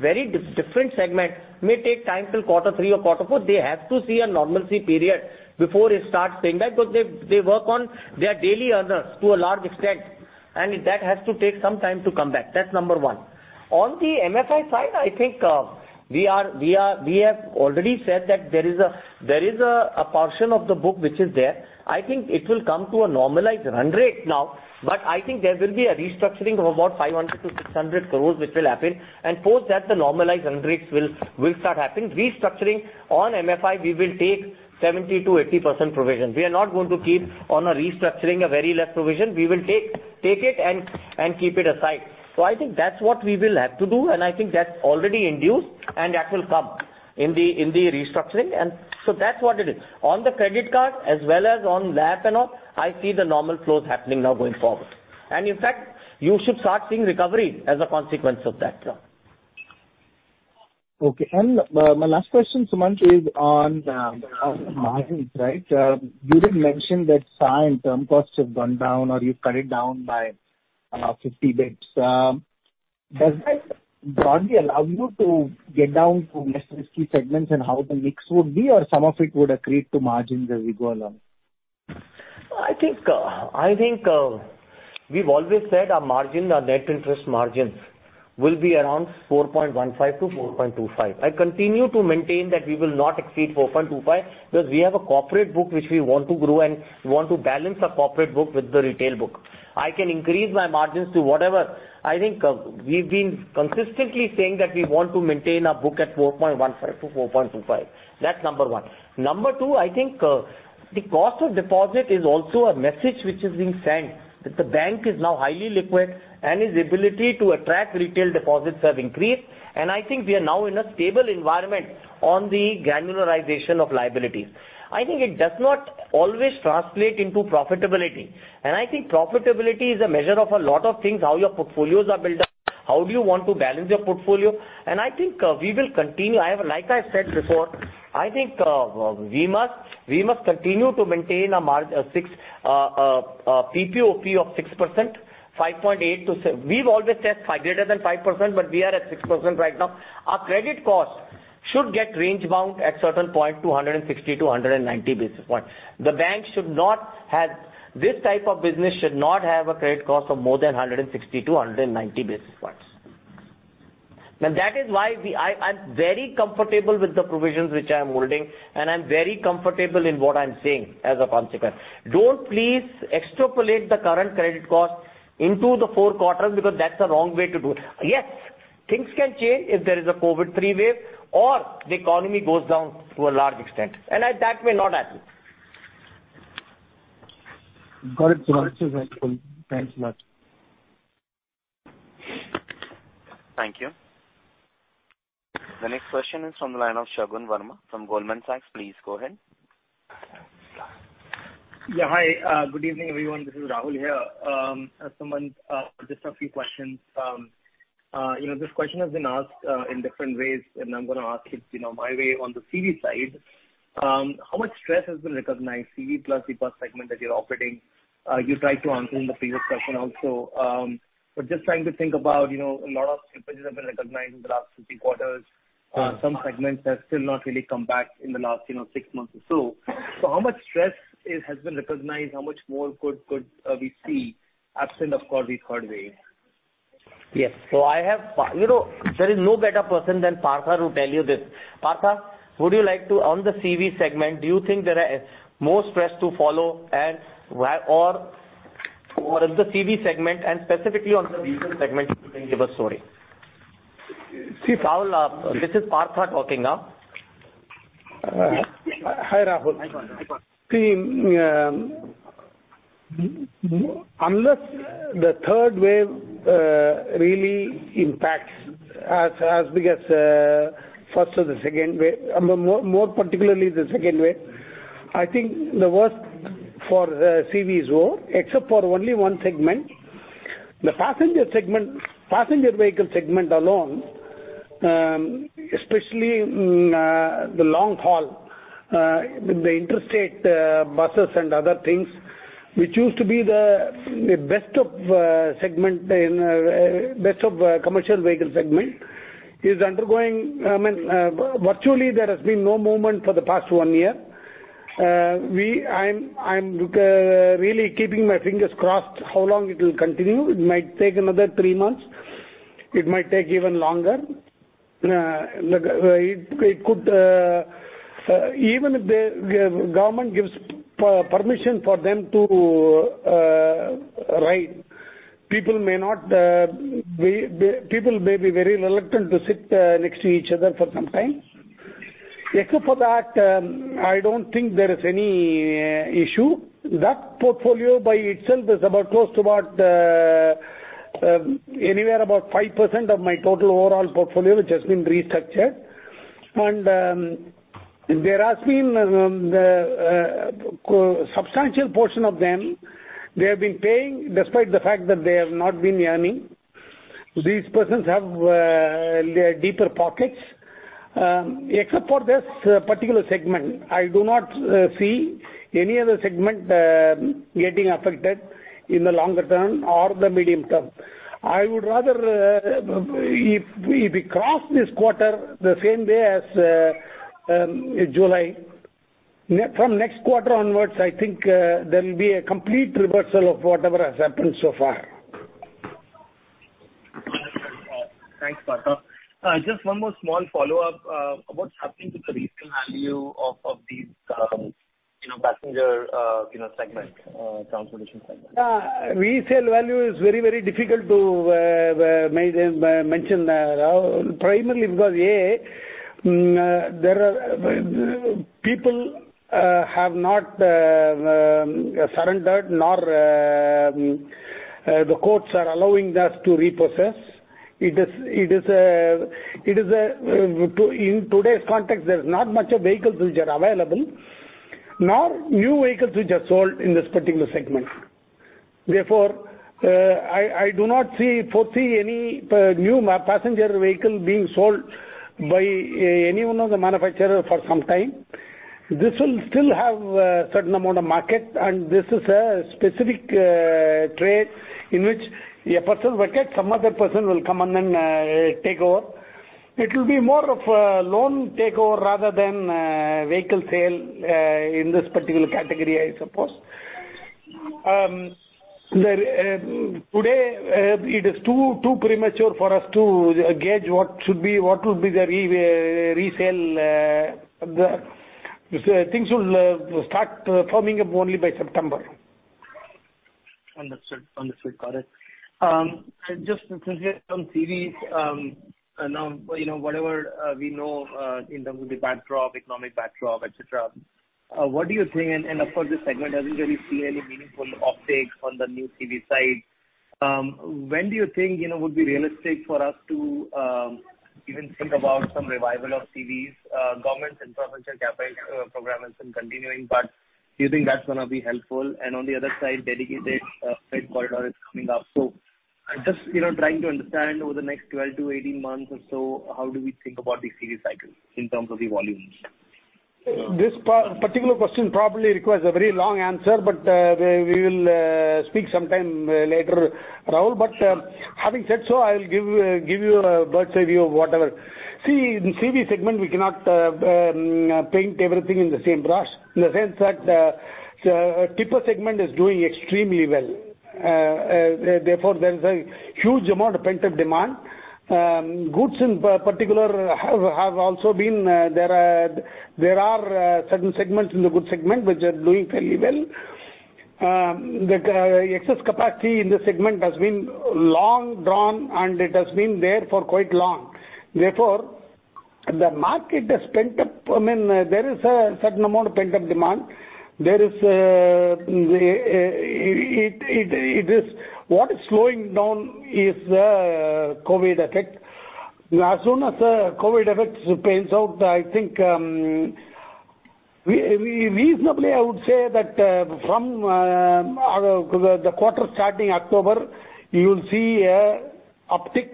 very different segment, may take time till quarter three or quarter four. They have to see a normalcy period before they start paying back because they work on their daily earners to a large extent, and that has to take some time to come back. That's number one. On the MFI side, I think we have already said that there is a portion of the book which is there. I think it will come to a normalized run rate now, but I think there will be a restructuring of about 500 crore-600 crore which will happen. Post that, the normalized run rates will start happening. Restructuring on MFI, we will take 70%-80% provision. We are not going to keep on a restructuring a very less provision. We will take it and keep it aside. I think that's what we will have to do, and I think that's already induced, and that will come in the restructuring. That's what it is. On the credit card as well as on LAP and all, I see the normal flows happening now going forward. In fact, you should start seeing recovery as a consequence of that. Okay. My last question, Sumant, is on margins. You did mention that CI and term costs have gone down, or you've cut it down by 50 basis points. Does that broadly allow you to get down to less risky segments and how the mix would be, or some of it would accrete to margins as we go along? I think we've always said our margin, our net interest margins will be around 4.15%-4.25%. I continue to maintain that we will not exceed 4.25% because we have a corporate book which we want to grow and we want to balance our corporate book with the retail book. I can increase my margins to whatever. I think we've been consistently saying that we want to maintain our book at 4.15%-4.25%. That's number one. Number two, I think the cost of deposit is also a message which is being sent that the bank is now highly liquid and its ability to attract retail deposits have increased, and I think we are now in a stable environment on the granularization of liabilities. I think it does not always translate into profitability. I think profitability is a measure of a lot of things, how your portfolios are built up, how do you want to balance your portfolio. I think we will continue. Like I said before, I think we must continue to maintain a PPOP of 6%, 5.8% to We've always said greater than 5%. We are at 6% right now. Our credit cost should get range bound at certain point to 160 basis points-190 basis points. This type of business should not have a credit cost of more than 160 basis points-190 basis points. That is why I'm very comfortable with the provisions which I am holding. I'm very comfortable in what I'm saying as a consequence. Don't please extrapolate the current credit cost into the four quarters because that's the wrong way to do it. Yes, things can change if there is a COVID third wave or the economy goes down to a large extent, and that may not happen. Got it. Thanks so much. Thank you. The next question is from the line of Shagun Varma from Goldman Sachs. Please go ahead. Yeah. Hi, good evening, everyone. This is Rahul here. Sumant, just a few questions. This question has been asked in different ways. I'm going to ask it my way. On the CV side, how much stress has been recognized, CV plus the bus segment that you're operating? You tried to answer in the previous question also. Just trying to think about a lot of slippages have been recognized in the last 50 quarters. Some segments have still not really come back in the last six months or so. How much stress has been recognized? How much more could we see absent, of course, this third wave? Yes. There is no better person than Partha to tell you this. Partha, would you like to, on the CV segment, do you think there are more stress to follow or in the CV segment and specifically on the diesel segment, you can give a story. Rahul, this is Partha talking now. Hi, Rahul. Hi, Partha. Unless the third wave really impacts as big as first or the second wave, more particularly the second wave, I think the worst for CV is over, except for only one segment. The passenger vehicle segment alone, especially the long haul with the interstate buses and other things, which used to be the best of commercial vehicle segment, Virtually there has been no movement for the past one year. I am really keeping my fingers crossed how long it will continue. It might take another three months. It might take even longer. Even if the government gives permission for them to ride, people may be very reluctant to sit next to each other for some time. Except for that, I don't think there is any issue. That portfolio by itself is close to about anywhere about 5% of my total overall portfolio, which has been restructured. There has been a substantial portion of them. They have been paying despite the fact that they have not been earning. These persons have deeper pockets. Except for this particular segment, I do not see any other segment getting affected in the longer term or the medium term. If we cross this quarter the same way as July, from next quarter onwards, I think there will be a complete reversal of whatever has happened so far. Thanks, Partha. Just one more small follow-up. What's happening to the resale value of these passenger transportation segment? Resale value is very difficult to mention there, Rahul. Primarily because, A, people have not surrendered nor the courts are allowing us to repossess. In today's context, there's not much vehicles which are available, nor new vehicles which are sold in this particular segment. I do not foresee any new passenger vehicle being sold by any one of the manufacturers for some time. This will still have a certain amount of market, and this is a specific trade in which a person vacate, some other person will come in and take over. It will be more of a loan takeover rather than a vehicle sale in this particular category, I suppose. Today it is too premature for us to gauge what will be the resale. Things will start firming up only by September. Understood. Got it. Just since we are on CV, now whatever we know in terms of the economic backdrop, et cetera, what do you think, and of course, this segment hasn't really seen any meaningful optics on the new CV side. When do you think would be realistic for us to even think about some revival of CVs? Government infrastructure capital program has been continuing, but do you think that's going to be helpful? On the other side, dedicated freight corridor is coming up. Just trying to understand over the next 12-18 months or so, how do we think about the CV cycle in terms of the volumes? This particular question probably requires a very long answer. We will speak sometime later, Rahul. Having said so, I'll give you a bird's eye view of whatever. See, in CV segment, we cannot paint everything in the same brush, in the sense that the tipper segment is doing extremely well. There is a huge amount of pent-up demand. Goods in particular. There are certain segments in the goods segment which are doing fairly well. The excess capacity in this segment has been long drawn, and it has been there for quite long. There is a certain amount of pent-up demand. What is slowing down is the COVID effect. As soon as the COVID effect pans out, I think reasonably I would say that from the quarter starting October, you'll see an uptick.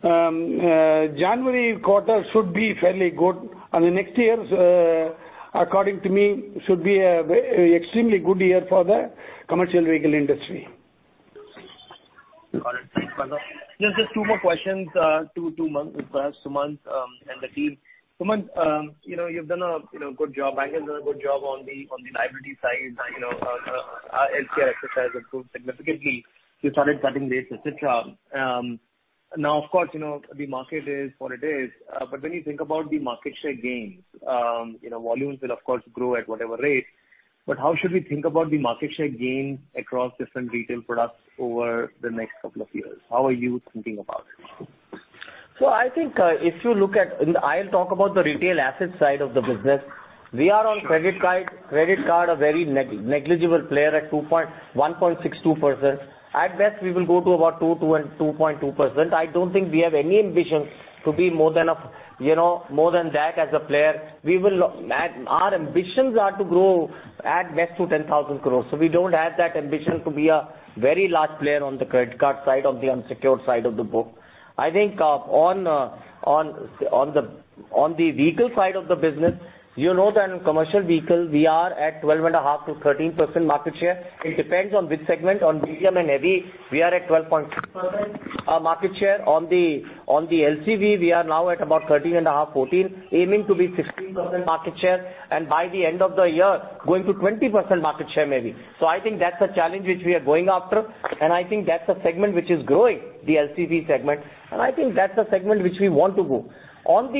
January quarter should be fairly good. The next year, according to me, should be a extremely good year for the commercial vehicle industry. Got it. Thanks, Partha. Just two more questions to Sumant and the team. Sumant, you've done a good job. Bank has done a good job on the liability side. Our LCR exercise improved significantly. We started cutting base, et cetera. Now, of course, the market is what it is. When you think about the market share gains, volumes will of course grow at whatever rate. How should we think about the market share gain across different retail products over the next couple of years? How are you thinking about it? I think if you look at I'll talk about the retail asset side of the business. We are on credit card, a very negligible player at 1.62%. At best, we will go to about 2.2%. I don't think we have any ambition to be more than that as a player. Our ambitions are to grow at best to 10,000 crore. We don't have that ambition to be a very large player on the credit card side or the unsecured side of the book. I think on the vehicle side of the business, you know that in commercial vehicles, we are at 12.5%-13% market share. It depends on which segment. On Medium and Heavy, we are at 12.6% market share. On the LCV, we are now at about 13.5%, 14%, aiming to be 16% market share, and by the end of the year, going to 20% market share, maybe. I think that's a challenge which we are going after. I think that's a segment which is growing, the LCV segment. I think that's a segment which we want to grow. On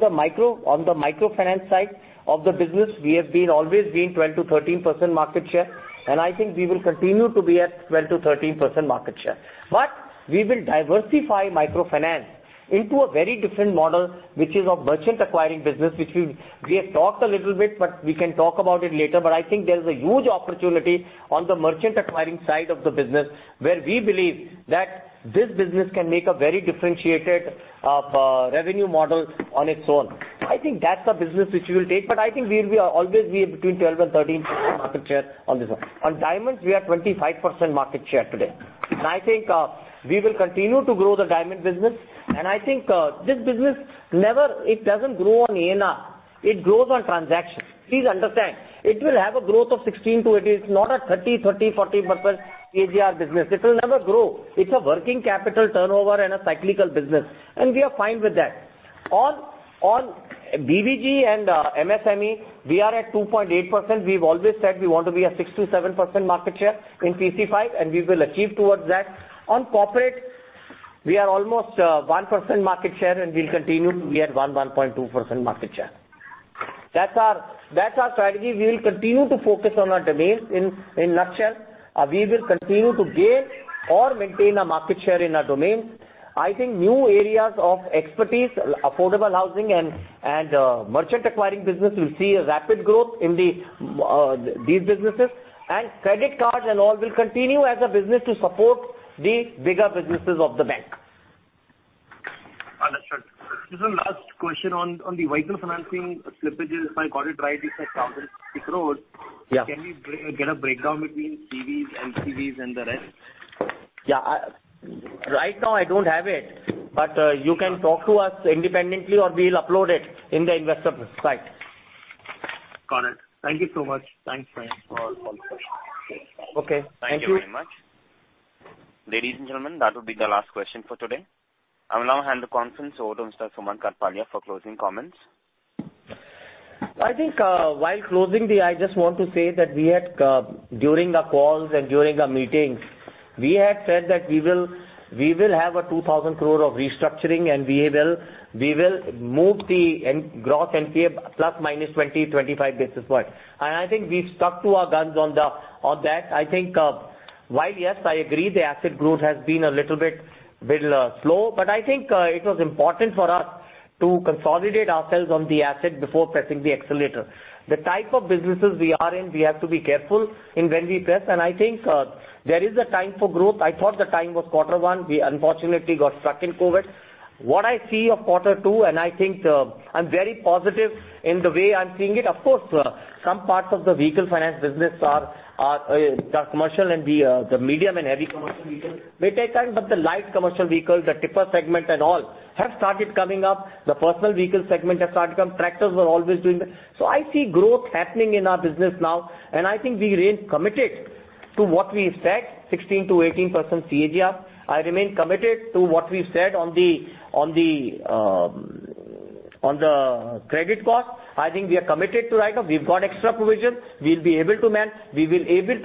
the microfinance side of the business, we have always been 12%-13% market share. I think we will continue to be at 12%-13% market share. We will diversify microfinance into a very different model, which is of merchant acquiring business, which we have talked a little bit, but we can talk about it later. I think there is a huge opportunity on the merchant acquiring side of the business where we believe that this business can make a very differentiated revenue model on its own. I think that's a business which we will take, but I think we will always be between 12%-13% market share on this one. On diamonds, we are 25% market share today. I think we will continue to grow the diamond business. I think this business, it doesn't grow on ASR. It grows on transactions. Please understand. It will have a growth of 16%-18%. It's not a 30%-40% [audio ditortion] business. It will never grow. It's a working capital turnover and a cyclical business, and we are fine with that. On BBG and MSME, we are at 2.8%. We've always said we want to be at 6%-7% market share in PC5, and we will achieve towards that. On corporate, we are almost 1% market share and we'll continue to be at 1%-1.2% market share. That's our strategy. We will continue to focus on our domains. In a nutshell, we will continue to gain or maintain a market share in our domain. I think new areas of expertise, affordable housing and merchant acquiring business will see a rapid growth in these businesses. Credit card and all will continue as a business to support the bigger businesses of the bank. Understood. Just one last question on the vehicle financing slippages. If I got it right, it's at 1,000 crores. Yeah. Can we get a breakdown between CVs and LCVs and the rest? Yeah. Right now I don't have it, but you can talk to us independently, or we'll upload it in the investor site. Got it. Thank you so much. Thanks for all the questions. Okay. Thank you. Thank you very much. Ladies and gentlemen, that would be the last question for today. I will now hand the conference over to Mr. Sumant Kathpalia for closing comments. I think while closing, I just want to say that during our calls and during our meetings, we had said that we will have 2,000 crore of restructuring and we will move the Gross NPA ±20 basis points, 25 basis points. I think we've stuck to our guns on that. I think while, yes, I agree the asset growth has been a little bit slow, I think it was important for us to consolidate ourselves on the asset before pressing the accelerator. The type of businesses we are in, we have to be careful in when we press, I think there is a time for growth. I thought the time was quarter one. We unfortunately got stuck in COVID. What I see of quarter two, I think I'm very positive in the way I'm seeing it. Of course, some parts of the vehicle finance business are the commercial and the medium and heavy commercial vehicles may take time, but the light commercial vehicles, the tipper segment and all have started coming up. The personal vehicle segment has started coming. Tractors were always doing well. I see growth happening in our business now, and I think we remain committed to what we said, 16%-18% CAGR. I remain committed to what we said on the credit cost. I think we are committed to write-offs. We've got extra provisions. We will be able to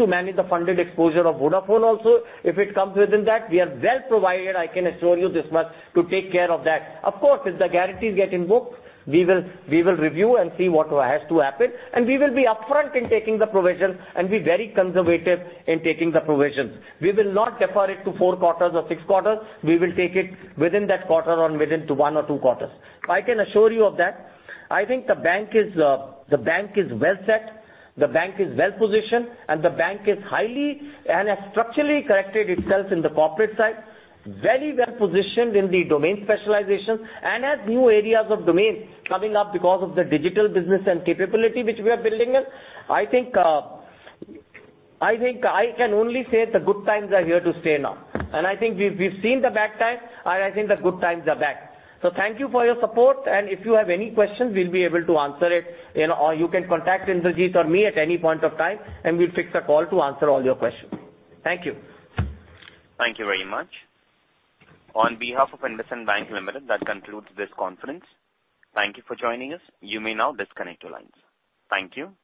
manage the funded exposure of Vodafone also. If it comes within that, we are well provided, I can assure you this much, to take care of that. Of course, if the guarantees get invoked, we will review and see what has to happen, and we will be upfront in taking the provision and be very conservative in taking the provisions. We will not defer it to four quarters or six quarters. We will take it within that quarter or within one or two quarters. I can assure you of that. I think the bank is well set, the bank is well-positioned, and the bank is highly and has structurally corrected itself in the corporate side. Very well-positioned in the domain specialization and has new areas of domain coming up because of the digital business and capability which we are building in. I think I can only say the good times are here to stay now. I think we've seen the bad times, and I think the good times are back. Thank you for your support, and if you have any questions, we'll be able to answer it, or you can contact Indrajeet or me at any point of time, and we'll fix a call to answer all your questions. Thank you. Thank you very much. On behalf of IndusInd Bank Limited, that concludes this conference. Thank you for joining us. Thank you.